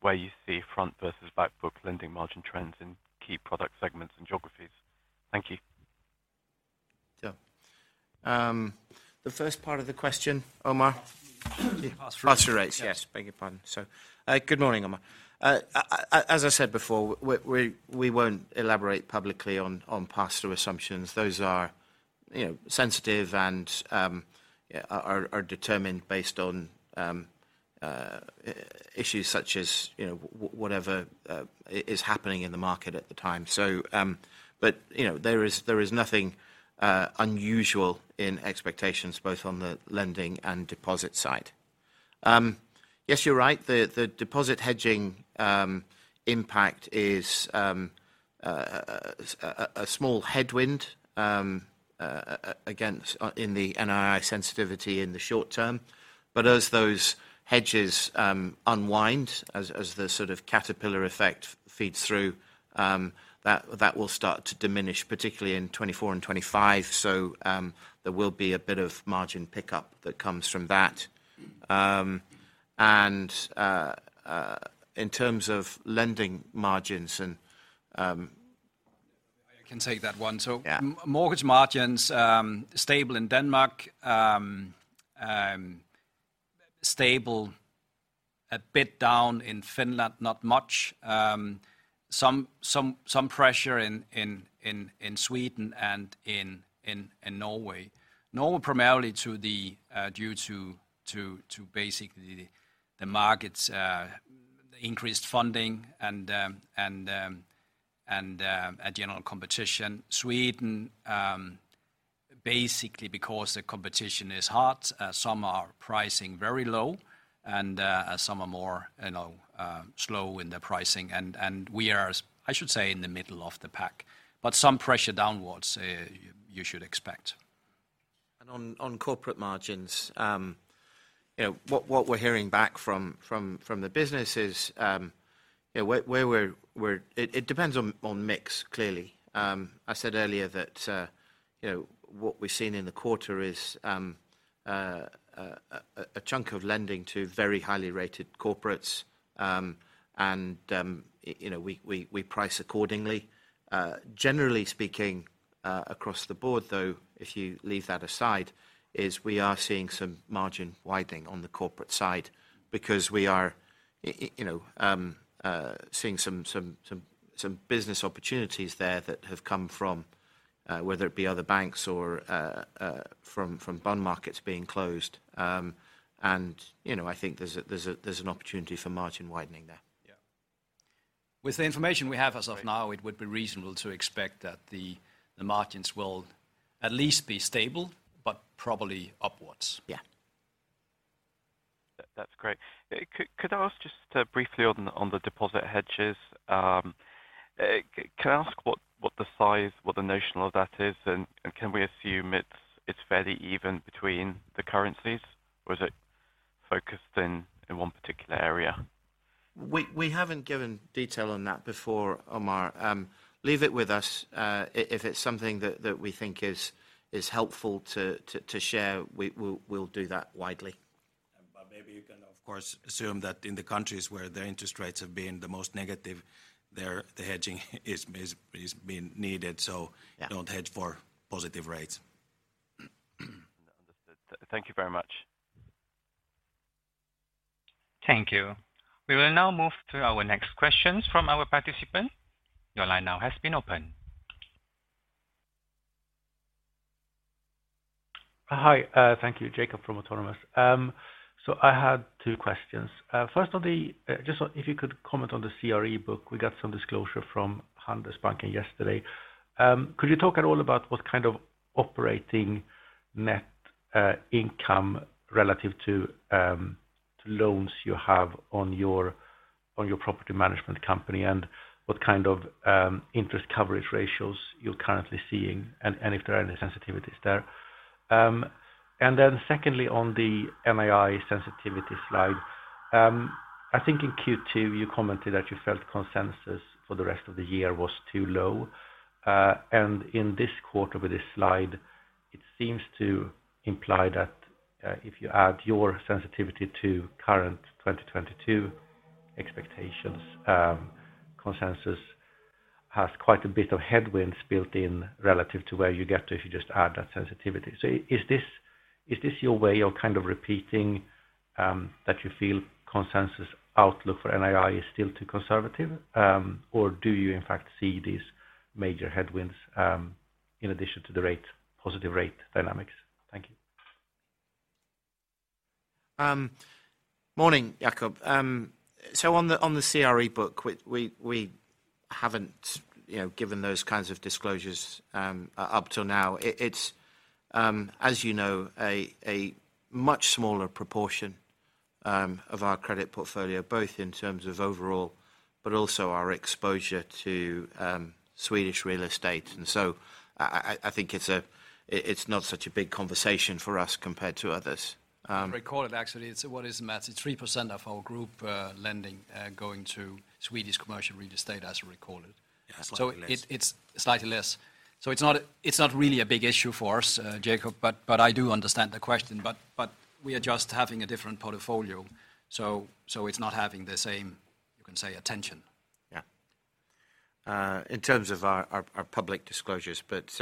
where you see front versus back book lending margin trends in key product segments and geographies. Thank you. Sure. The first part of the question, Omar. Pass-through. Pass-through rates. Yes. Beg your pardon. Good morning, Omar. As I said before, we won't elaborate publicly on pass-through assumptions. Those are, you know, sensitive and are determined based on issues such as, you know, whatever is happening in the market at the time. You know, there is nothing unusual in expectations both on the lending and deposit side. Yes, you're right. The deposit hedging impact is a small headwind again in the NII sensitivity in the short term. As those hedges unwind, as the sort of caterpillar effect feeds through, that will start to diminish, particularly in 2024 and 2025. There will be a bit of margin pickup that comes from that. In terms of lending margins and. I can take that one. Yeah. Mortgage margins stable in Denmark. Stable a bit down in Finland, not much. Some pressure in Sweden and in Norway. Norway primarily due to basically the markets increased funding and a general competition. Sweden basically because the competition is hot, some are pricing very low and some are more, you know, slow in their pricing. We are, I should say, in the middle of the pack. Some pressure downwards, you should expect. On corporate margins, you know, what we're hearing back from the business is, you know, it depends on mix, clearly. I said earlier that, you know, what we've seen in the quarter is a chunk of lending to very highly rated corporates. You know, we price accordingly. Generally speaking, across the board, though, if you leave that aside, we are seeing some margin widening on the corporate side because we are seeing some business opportunities there that have come from whether it be other banks or from bond markets being closed. You know, I think there's an opportunity for margin widening there. Yeah. With the information we have as of now. Right It would be reasonable to expect that the margins will at least be stable, but probably upwards. Yeah. That's great. Could I ask just briefly on the deposit hedges? Can I ask what the size, the notional of that is, and can we assume it's fairly even between the currencies or is it focused in one particular area? We haven't given detail on that before, Omar. Leave it with us. If it's something that we think is helpful to share, we'll do that widely. Maybe you can, of course, assume that in the countries where their interest rates have been the most negative, their, the hedging is being needed, so. Yeah You don't hedge for positive rates. Understood. Thank you very much. Thank you. We will now move to our next questions from our participant. Your line now has been opened. Hi. Thank you. Jacob from Autonomous. I had two questions. First, if you could comment on the CRE book. We got some disclosure from Handelsbanken yesterday. Could you talk at all about what kind of operating net income relative to loans you have on your property management company and what kind of interest coverage ratios you're currently seeing and if there are any sensitivities there? Secondly, on the NII sensitivity slide. I think in Q2 you commented that you felt consensus for the rest of the year was too low. In this quarter with this slide, it seems to imply that if you add your sensitivity to current 2022 expectations, consensus has quite a bit of headwinds built in relative to where you get to if you just add that sensitivity. Is this your way of kind of repeating that you feel consensus outlook for NII is still too conservative? Or do you in fact see these major headwinds in addition to the rate positive rate dynamics? Thank you. Morning, Jacob. On the CRE book, we haven't, you know, given those kinds of disclosures up till now. It's, as you know, a much smaller proportion of our credit portfolio, both in terms of overall, but also our exposure to Swedish real estate. I think it's not such a big conversation for us compared to others. What is it, Matti? It's 3% of our group lending going to Swedish commercial real estate as we record it. Yeah, slightly less. It's slightly less. It's not really a big issue for us, Jacob, but I do understand the question. We are just having a different portfolio. It's not having the same, you can say, attention. Yeah. In terms of our public disclosures, but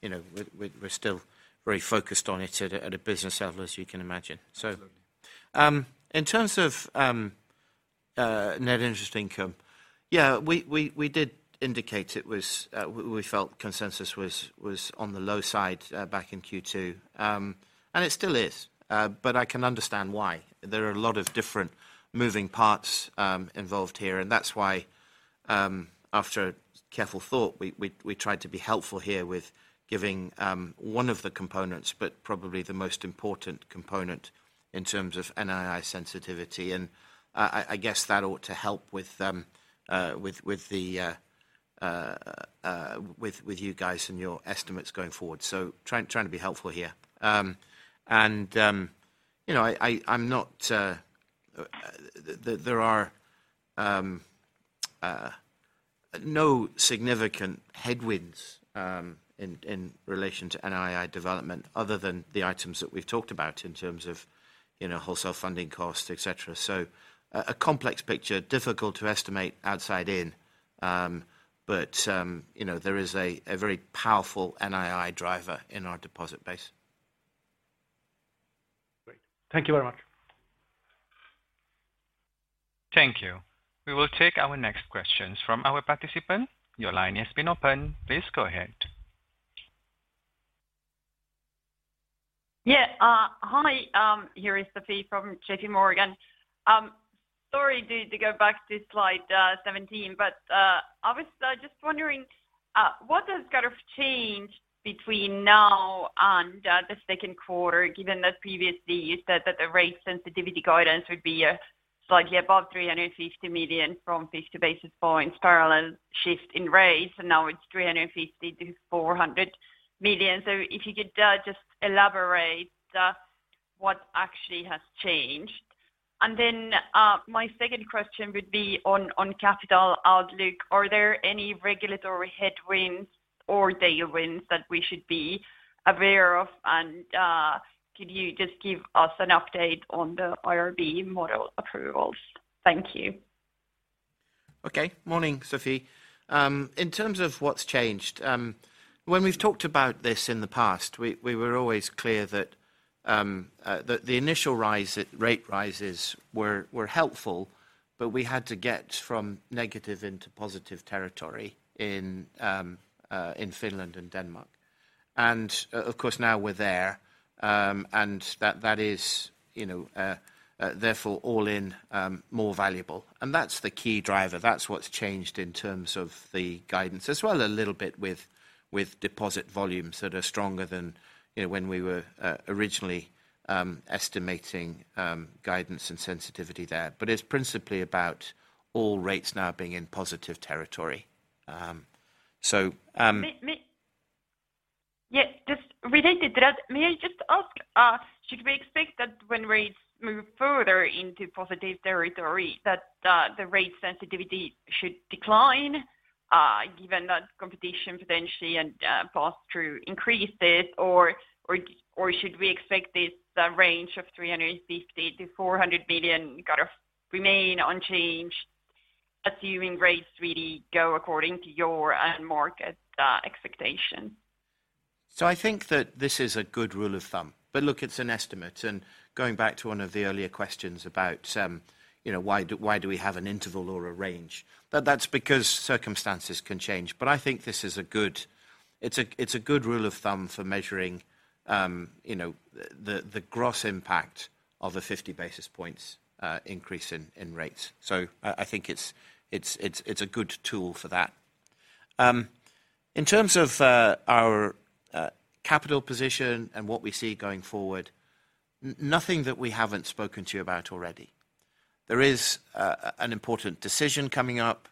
you know, we're still very focused on it at a business level, as you can imagine. Absolutely In terms of net interest income, yeah, we did indicate it was we felt consensus was on the low side back in Q2. It still is. I can understand why. There are a lot of different moving parts involved here, and that's why, after careful thought, we tried to be helpful here with giving one of the components, but probably the most important component in terms of NII sensitivity. I guess that ought to help with you guys and your estimates going forward. Trying to be helpful here. You know, I'm not. There are no significant headwinds in relation to NII development, other than the items that we've talked about in terms of, you know, wholesale funding costs, et cetera. A complex picture, difficult to estimate outside in. You know, there is a very powerful NII driver in our deposit base. Great. Thank you very much. Thank you. We will take our next questions from our participant. Your line has been opened. Please go ahead. Yeah. Hi. Here is Sophie from JPMorgan. Sorry to go back to slide 17, but I was just wondering what has kind of changed between now and the second quarter, given that previously you said that the rate sensitivity guidance would be slightly above 350 million from 50 basis points parallel shift in rates, and now it's 350-400 million. If you could just elaborate what actually has changed. Then my second question would be on capital outlook. Are there any regulatory headwinds or tailwinds that we should be aware of? Could you just give us an update on the IRB model approvals? Thank you. Okay. Morning, Sophie. In terms of what's changed, when we've talked about this in the past, we were always clear that the initial rate rises were helpful, but we had to get from negative into positive territory in Finland and Denmark. Of course, now we're there, and that is, you know, therefore all in more valuable. That's the key driver. That's what's changed in terms of the guidance, as well a little bit with deposit volumes that are stronger than, you know, when we were originally estimating guidance and sensitivity there. It's principally about all rates now being in positive territory. Yeah, just related to that, may I just ask, should we expect that when rates move further into positive territory, that the rate sensitivity should decline, given that competition potentially and pass-through increases or should we expect this, the range of 350 million-400 million kind of remain unchanged, assuming rates really go according to your and market expectation? I think that this is a good rule of thumb. Look, it's an estimate, and going back to one of the earlier questions about, you know, why do we have an interval or a range? That's because circumstances can change. I think this is a good rule of thumb for measuring, you know, the gross impact of a 50 basis points increase in rates. I think it's a good tool for that. In terms of our capital position and what we see going forward, nothing that we haven't spoken to you about already. There is an important decision coming up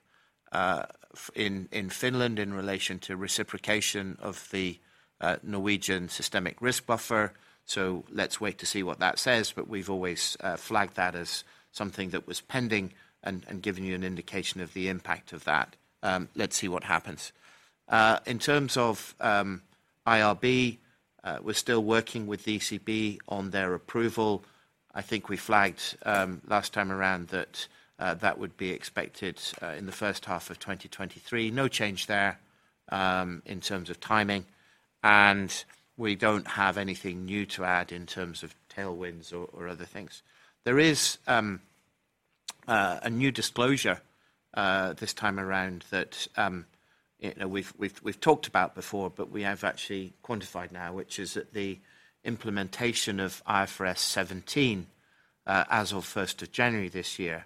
in Finland in relation to reciprocation of the Norwegian systemic risk buffer. Let's wait to see what that says, but we've always flagged that as something that was pending and given you an indication of the impact of that. Let's see what happens. In terms of IRB, we're still working with the ECB on their approval. I think we flagged last time around that that would be expected in the first half of 2023. No change there in terms of timing. We don't have anything new to add in terms of tailwinds or other things. There is a new disclosure this time around that we've talked about before, but we have actually quantified now, which is that the implementation of IFRS 17 as of first of January this year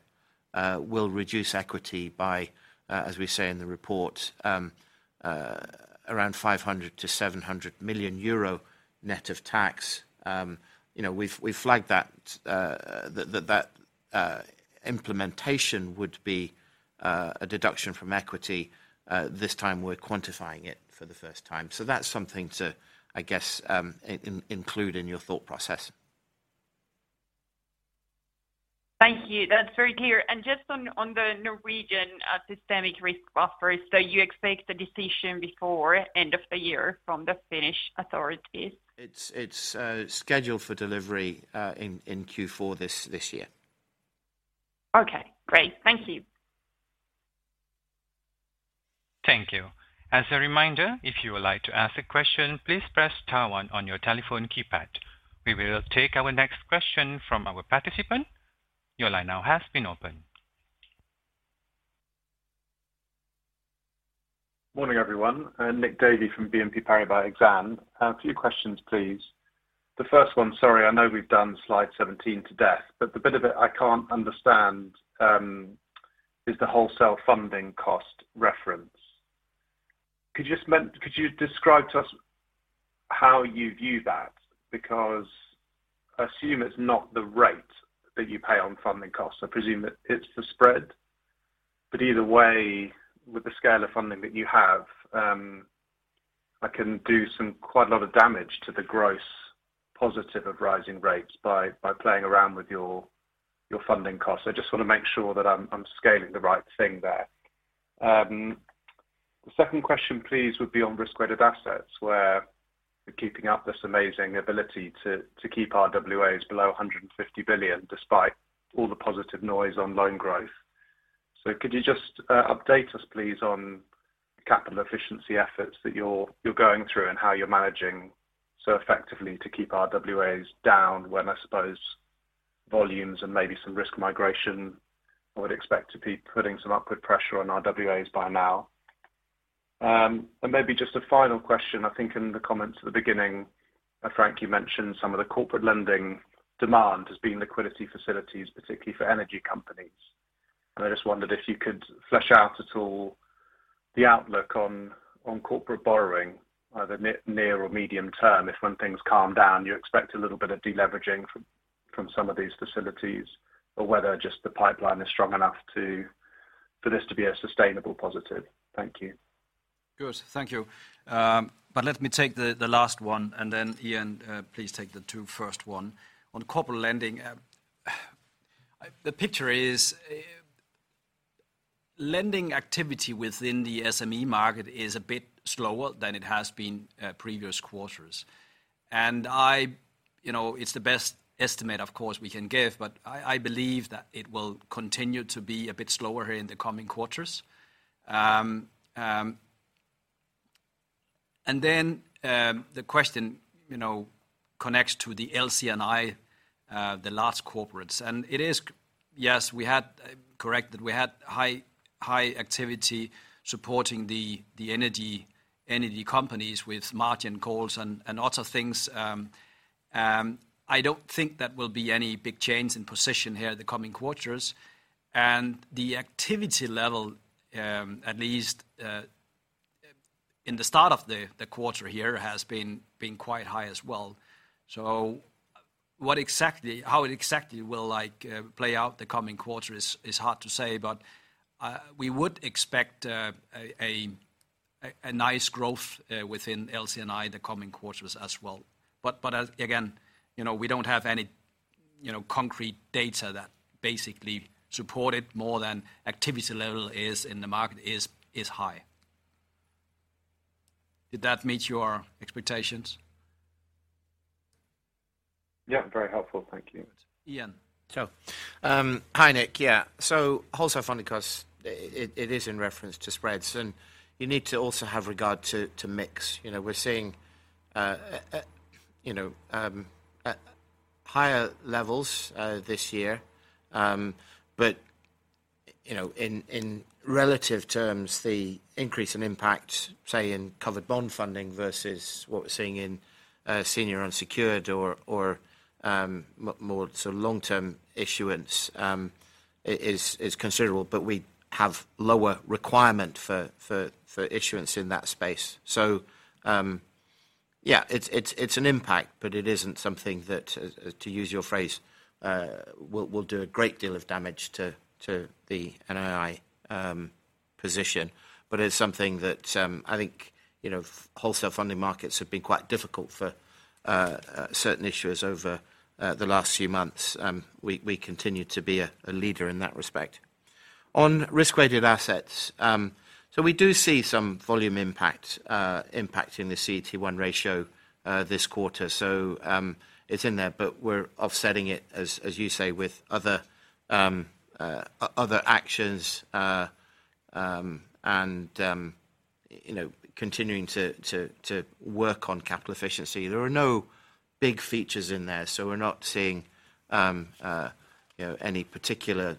will reduce equity by, as we say in the report, around 500 million-700 million euro net of tax. You know, we've flagged that implementation would be a deduction from equity. This time we're quantifying it for the first time. That's something to, I guess, include in your thought process. Thank you. That's very clear. Just on the Norwegian systemic risk buffer, so you expect the decision before end of the year from the Finnish authorities? It's scheduled for delivery in Q4 this year. Okay, great. Thank you. Thank you. As a reminder, if you would like to ask a question, please press star one on your telephone keypad. We will take our next question from our participant. Your line now has been opened. Morning, everyone. Nick Davey from BNP Paribas Exane. A few questions, please. The first one, sorry, I know we've done slide 17 to death, but the bit of it I can't understand is the wholesale funding cost reference. Could you just describe to us how you view that? Because I assume it's not the rate that you pay on funding costs. I presume that it's the spread. Either way, with the scale of funding that you have, that can do quite a lot of damage to the gross positives of rising rates by playing around with your funding costs. I just wanna make sure that I'm scaling the right thing there. The second question, please, would be on risk-weighted assets where you're keeping up this amazing ability to keep RWAs below 150 billion despite all the positive noise on loan growth. Could you just update us please on capital efficiency efforts that you're going through and how you're managing so effectively to keep RWAs down when I suppose volumes and maybe some risk migration I would expect to be putting some upward pressure on RWAs by now. Maybe just a final question. I think in the comments at the beginning, Frank, you mentioned some of the corporate lending demand has been liquidity facilities, particularly for energy companies. I just wondered if you could flesh out at all the outlook on corporate borrowing, either near or medium term, if when things calm down, you expect a little bit of de-leveraging from some of these facilities or whether just the pipeline is strong enough to for this to be a sustainable positive. Thank you. Good. Thank you. Let me take the last one, and then Ian, please take the two first one. On corporate lending, the picture is lending activity within the SME market is a bit slower than it has been in previous quarters. You know, it's the best estimate, of course, we can give, but I believe that it will continue to be a bit slower here in the coming quarters. The question, you know, connects to the LC&I, the large corporates. Yes, correct that we had high activity supporting the energy companies with margin calls and other things. I don't think that will be any big change in position in the coming quarters. The activity level, at least, in the start of the quarter here has been quite high as well. What exactly, how exactly it will like play out the coming quarters is hard to say. We would expect a nice growth within LC&I the coming quarters as well. Again, you know, we don't have any, you know, concrete data that basically support it more than activity level in the market is high. Did that meet your expectations? Yeah. Very helpful. Thank you. Ian. Hi, Nick. Yeah. Wholesale funding costs, it is in reference to spreads, and you need to also have regard to mix. You know, we're seeing higher levels this year. You know, in relative terms, the increase in impact, say in covered bond funding versus what we're seeing in senior unsecured or more sort of long-term issuance, is considerable. We have lower requirement for issuance in that space. Yeah, it's an impact, but it isn't something that to use your phrase will do a great deal of damage to the NII position. It's something that I think you know, wholesale funding markets have been quite difficult for certain issuers over the last few months. We continue to be a leader in that respect. On risk-weighted assets. We do see some volume impact impacting the CET1 ratio this quarter. It's in there, but we're offsetting it, as you say, with other actions, and you know, continuing to work on capital efficiency. There are no big features in there. We're not seeing, you know, any particular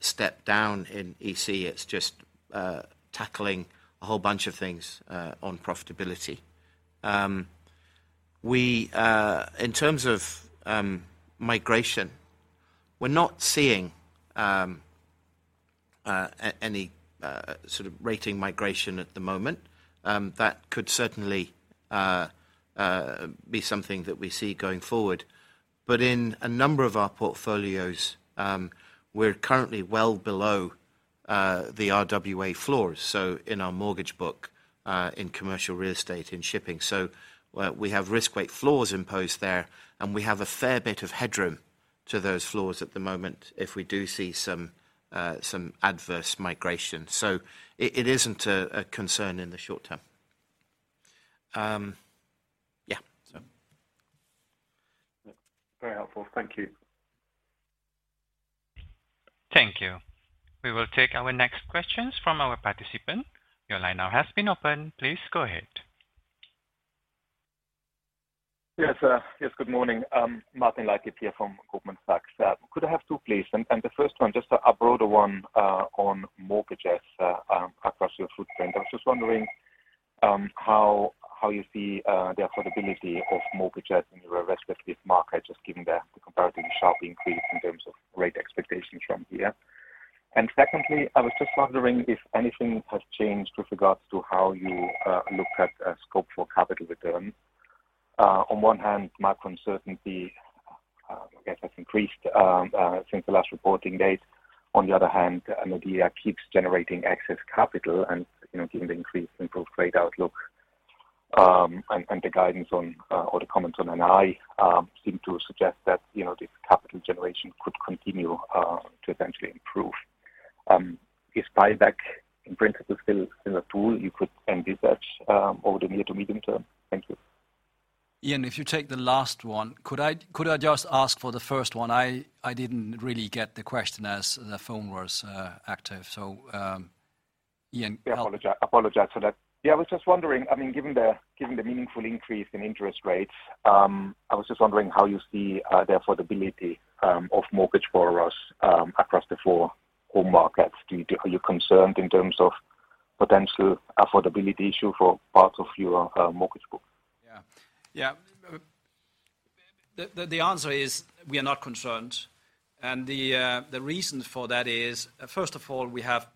step down in EC. It's just tackling a whole bunch of things on profitability. In terms of migration, we're not seeing any sort of rating migration at the moment. That could certainly be something that we see going forward. In a number of our portfolios, we're currently well below the RWA floors, so in our mortgage book, in commercial real estate, in shipping. We have risk weight floors imposed there, and we have a fair bit of headroom to those floors at the moment if we do see some adverse migration. It isn't a concern in the short term. Yeah, so. Very helpful. Thank you. Thank you. We will take our next questions from our participant. Your line now has been opened. Please go ahead. Yes, good morning. Martin Leitgeb here from Goldman Sachs. Could I have two, please? The first one, just a broader one, on mortgages across your footprint. I was just wondering how you see the affordability of mortgages in the respective markets, just given the comparatively sharp increase in terms of rate expectations from here. Secondly, I was just wondering if anything has changed with regards to how you look at scope for capital returns. On one hand, macro uncertainty. I guess that's increased since the last reporting date. On the other hand, Nordea keeps generating excess capital and, you know, given the increasingly improved rate outlook, and the comments on NII seem to suggest that, you know, this capital generation could continue to eventually improve. Is buyback in principle still a tool you could envisage over the near to medium term? Thank you. Ian, if you take the last one, could I just ask for the first one? I didn't really get the question as the phone was active. Ian- Yeah. Apologize for that. Yeah, I was just wondering, I mean, given the meaningful increase in interest rates, I was just wondering how you see the affordability of mortgage borrowers across the four home markets. Are you concerned in terms of potential affordability issue for parts of your mortgage book? Yeah. The answer is we are not concerned. The reason for that is, first of all, we have.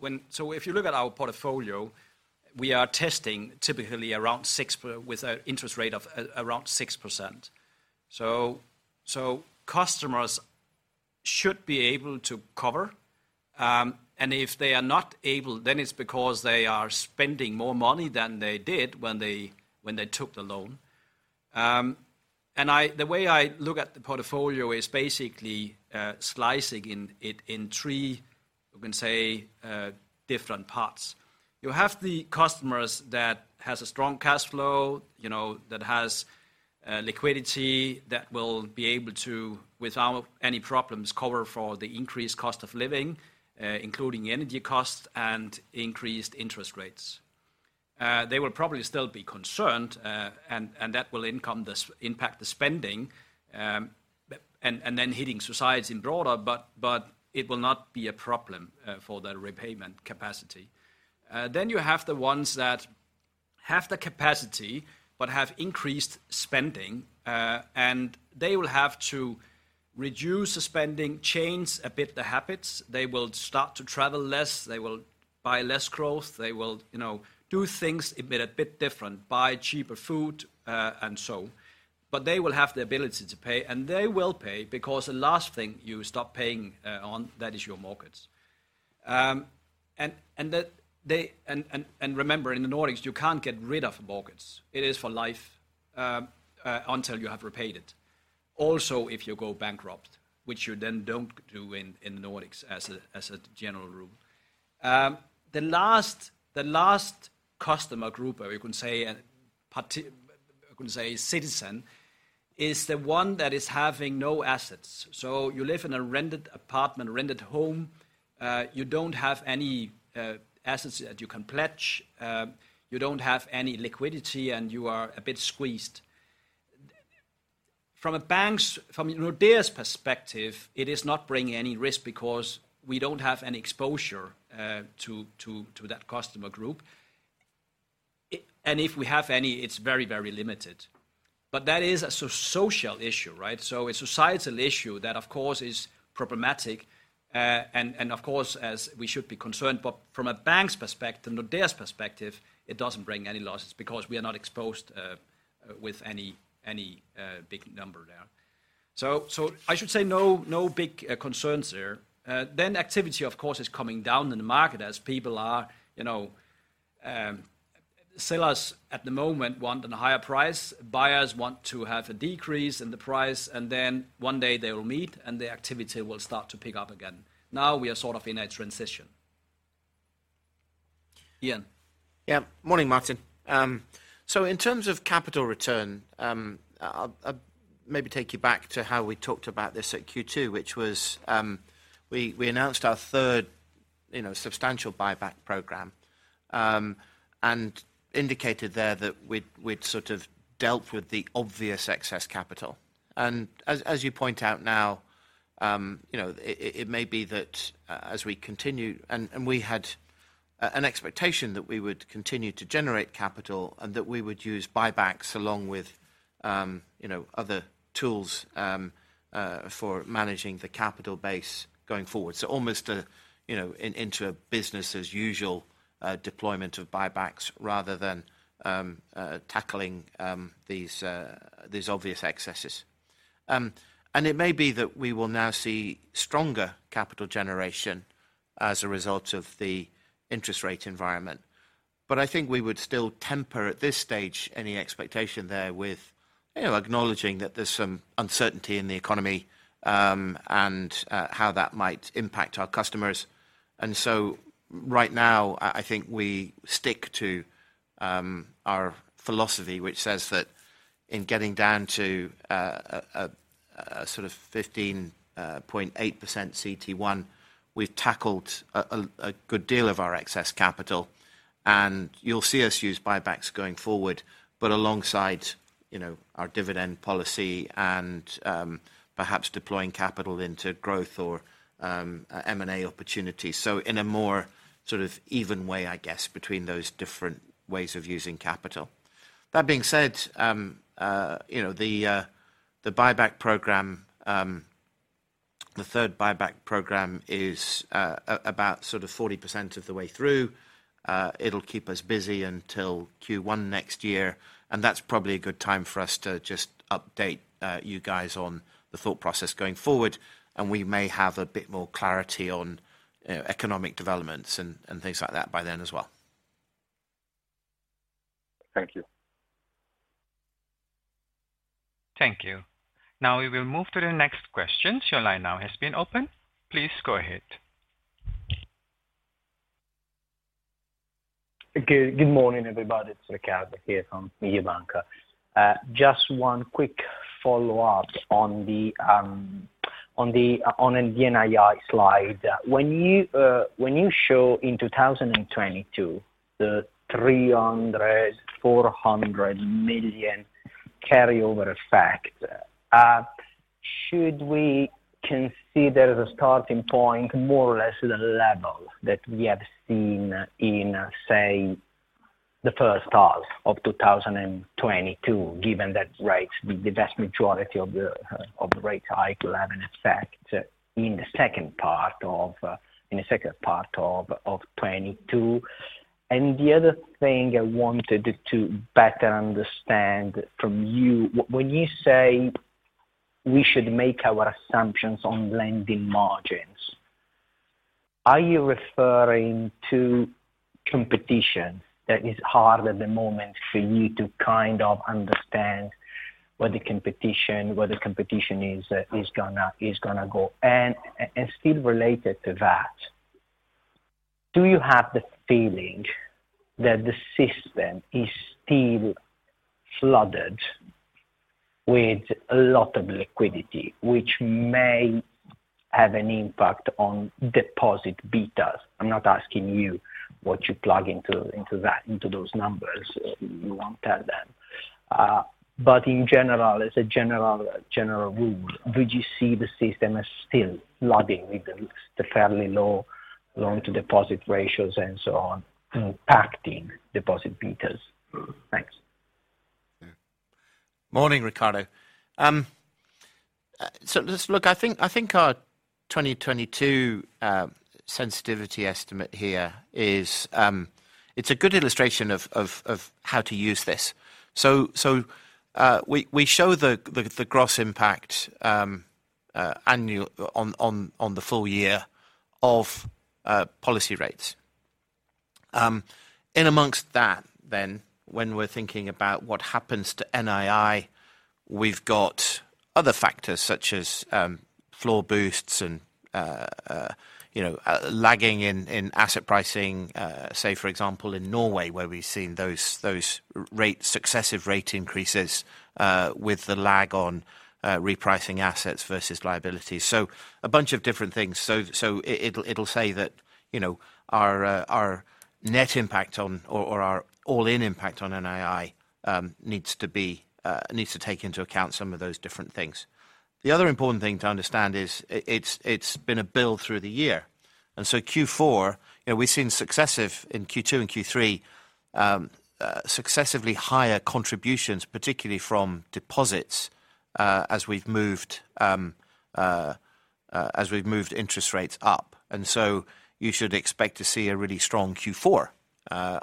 If you look at our portfolio, we are testing typically around 6% with an interest rate of around 6%. Customers should be able to cover, and if they are not able, then it's because they are spending more money than they did when they took the loan. The way I look at the portfolio is basically slicing it in three, you can say, different parts. You have the customers that has a strong cash flow, you know, that has liquidity that will be able to, without any problems, cover for the increased cost of living, including energy costs and increased interest rates. They will probably still be concerned, and that will impact the spending, and then hitting broader society, but it will not be a problem for their repayment capacity. You have the ones that have the capacity but have increased spending, and they will have to reduce the spending, change a bit the habits. They will start to travel less. They will buy less goods. They will, you know, do things a bit different, buy cheaper food, and so on. They will have the ability to pay, and they will pay because the last thing you stop paying on that is your mortgage. Remember, in the Nordics, you can't get rid of a mortgage. It is for life, until you have repaid it. If you go bankrupt, which you then don't do in the Nordics as a general rule. The last customer group, or you can say citizen, is the one that is having no assets. You live in a rented apartment, rented home, you don't have any assets that you can pledge, you don't have any liquidity, and you are a bit squeezed. From Nordea's perspective, it is not bringing any risk because we don't have any exposure to that customer group. If we have any, it's very, very limited. That is a social issue, right? A societal issue that of course is problematic, and of course as we should be concerned, but from a bank's perspective, Nordea's perspective, it doesn't bring any losses because we are not exposed with any big number there. I should say no big concerns there. Activity of course is coming down in the market as people are, you know, sellers at the moment want a higher price, buyers want to have a decrease in the price, and then one day they will meet, and the activity will start to pick up again. Now we are sort of in a transition. Ian. Yeah. Morning, Martin. So in terms of capital return, I'll maybe take you back to how we talked about this at Q2, which was, we announced our third, you know, substantial buyback program, and indicated there that we'd sort of dealt with the obvious excess capital. As you point out now, you know, it may be that as we continue, and we had an expectation that we would continue to generate capital and that we would use buybacks along with, you know, other tools, for managing the capital base going forward. Almost a, you know, into a business as usual, deployment of buybacks rather than, tackling these obvious excesses. It may be that we will now see stronger capital generation as a result of the interest rate environment. I think we would still temper at this stage any expectation there with, you know, acknowledging that there's some uncertainty in the economy, and how that might impact our customers. Right now, I think we stick to our philosophy, which says that in getting down to a sort of 15.8% CET1, we've tackled a good deal of our excess capital. You'll see us use buybacks going forward, but alongside, you know, our dividend policy and perhaps deploying capital into growth or M&A opportunities. In a more sort of even way, I guess, between those different ways of using capital. That being said, you know, the buyback program. The third buyback program is about sort of 40% of the way through. It'll keep us busy until Q1 next year, and that's probably a good time for us to just update you guys on the thought process going forward, and we may have a bit more clarity on economic developments and things like that by then as well. Thank you. Thank you. Now we will move to the next question. Your line now has been opened. Please go ahead. Good morning, everybody. It's Riccardo here from Mediobanca. Just one quick follow-up on the NII slide. When you show in 2022 the 300 million, 400 million carryover effect, should we consider the starting point more or less the level that we have seen in, say, the first half of 2022, given that rates, the vast majority of the rate hike will have an effect in the second part of 2022. The other thing I wanted to better understand from you, when you say we should make our assumptions on lending margins, are you referring to competition that is hard at the moment for you to kind of understand where the competition is gonna go? still related to that, do you have the feeling that the system is still flooded with a lot of liquidity, which may have an impact on deposit betas? I'm not asking you what you plug into that, into those numbers. You won't tell them. But in general, as a general rule, would you see the system as still flooding with the fairly low loan to deposit ratios and so on, impacting deposit betas? Thanks. Morning, Riccardo. Just look, I think our 2022 sensitivity estimate here is a good illustration of how to use this. We show the gross impact annual on the full year of policy rates. In amongst that then, when we're thinking about what happens to NII, we've got other factors such as floor boosts and you know lagging in asset pricing, say for example, in Norway, where we've seen those successive rate increases with the lag on repricing assets versus liabilities. A bunch of different things. It'll say that, you know, our all-in impact on NII needs to take into account some of those different things. The other important thing to understand is it's been a build through the year. Q4, you know, we've seen successively higher contributions, particularly from deposits as we've moved interest rates up. You should expect to see a really strong Q4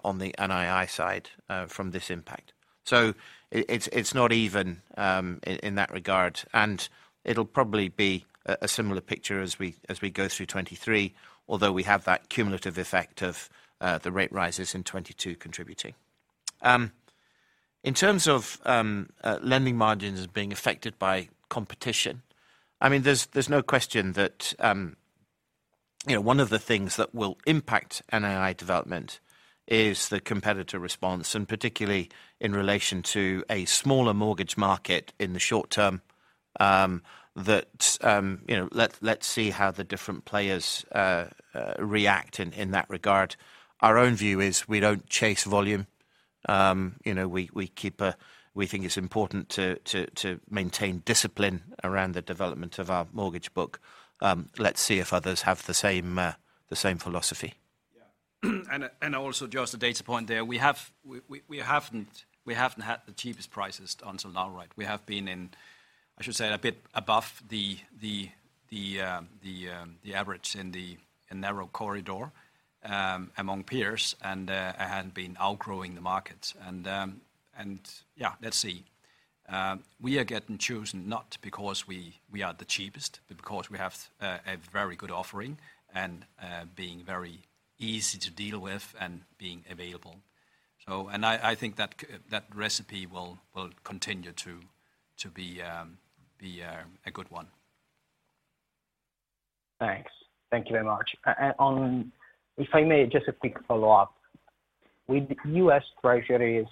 on the NII side from this impact. It's not even in that regard, and it'll probably be a similar picture as we go through 2023, although we have that cumulative effect of the rate rises in 2022 contributing. In terms of lending margins as being affected by competition, I mean, there's no question that you know, one of the things that will impact NII development is the competitor response, and particularly in relation to a smaller mortgage market in the short term, that you know, let's see how the different players react in that regard. Our own view is we don't chase volume. You know, we think it's important to maintain discipline around the development of our mortgage book. Let's see if others have the same philosophy. Yeah, also just a data point there. We haven't had the cheapest prices until now, right? We have been in, I should say, a bit above the average in the narrow corridor among peers and been outgrowing the market. Yeah, let's see. We are getting chosen not because we are the cheapest, but because we have a very good offering and being very easy to deal with and being available. I think that recipe will continue to be a good one. Thanks. Thank you very much. If I may, just a quick follow-up. With U.S. Treasuries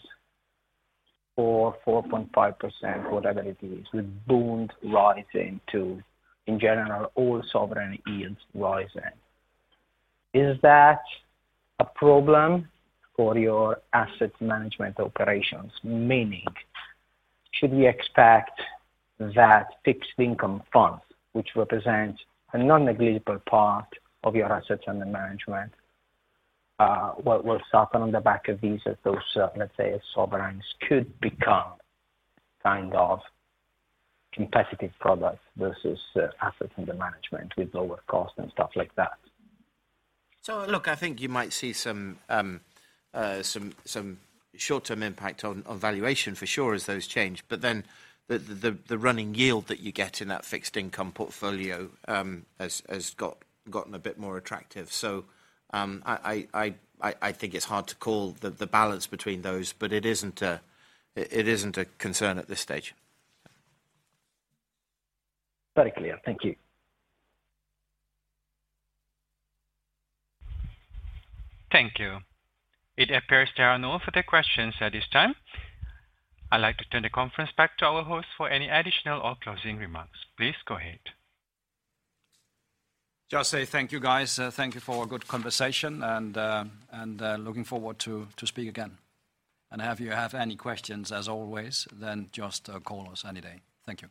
for 4.5%, whatever it is, with Bond rising too, in general, all sovereign yields rising, is that a problem for your asset management operations? Meaning, should we expect that fixed income funds, which represent a non-negligible part of your assets under management, will suffer on the back of these as those, let's say sovereigns could become kind of competitive products versus assets under management with lower cost and stuff like that? Look, I think you might see some short-term impact on valuation for sure as those change, but then the running yield that you get in that fixed income portfolio has gotten a bit more attractive. I think it's hard to call the balance between those, but it isn't a concern at this stage. Very clear. Thank you. Thank you. It appears there are no further questions at this time. I'd like to turn the conference back to our host for any additional or closing remarks. Please go ahead. Just say thank you, guys. Thank you for a good conversation and looking forward to speak again. If you have any questions, as always, then just call us any day. Thank you.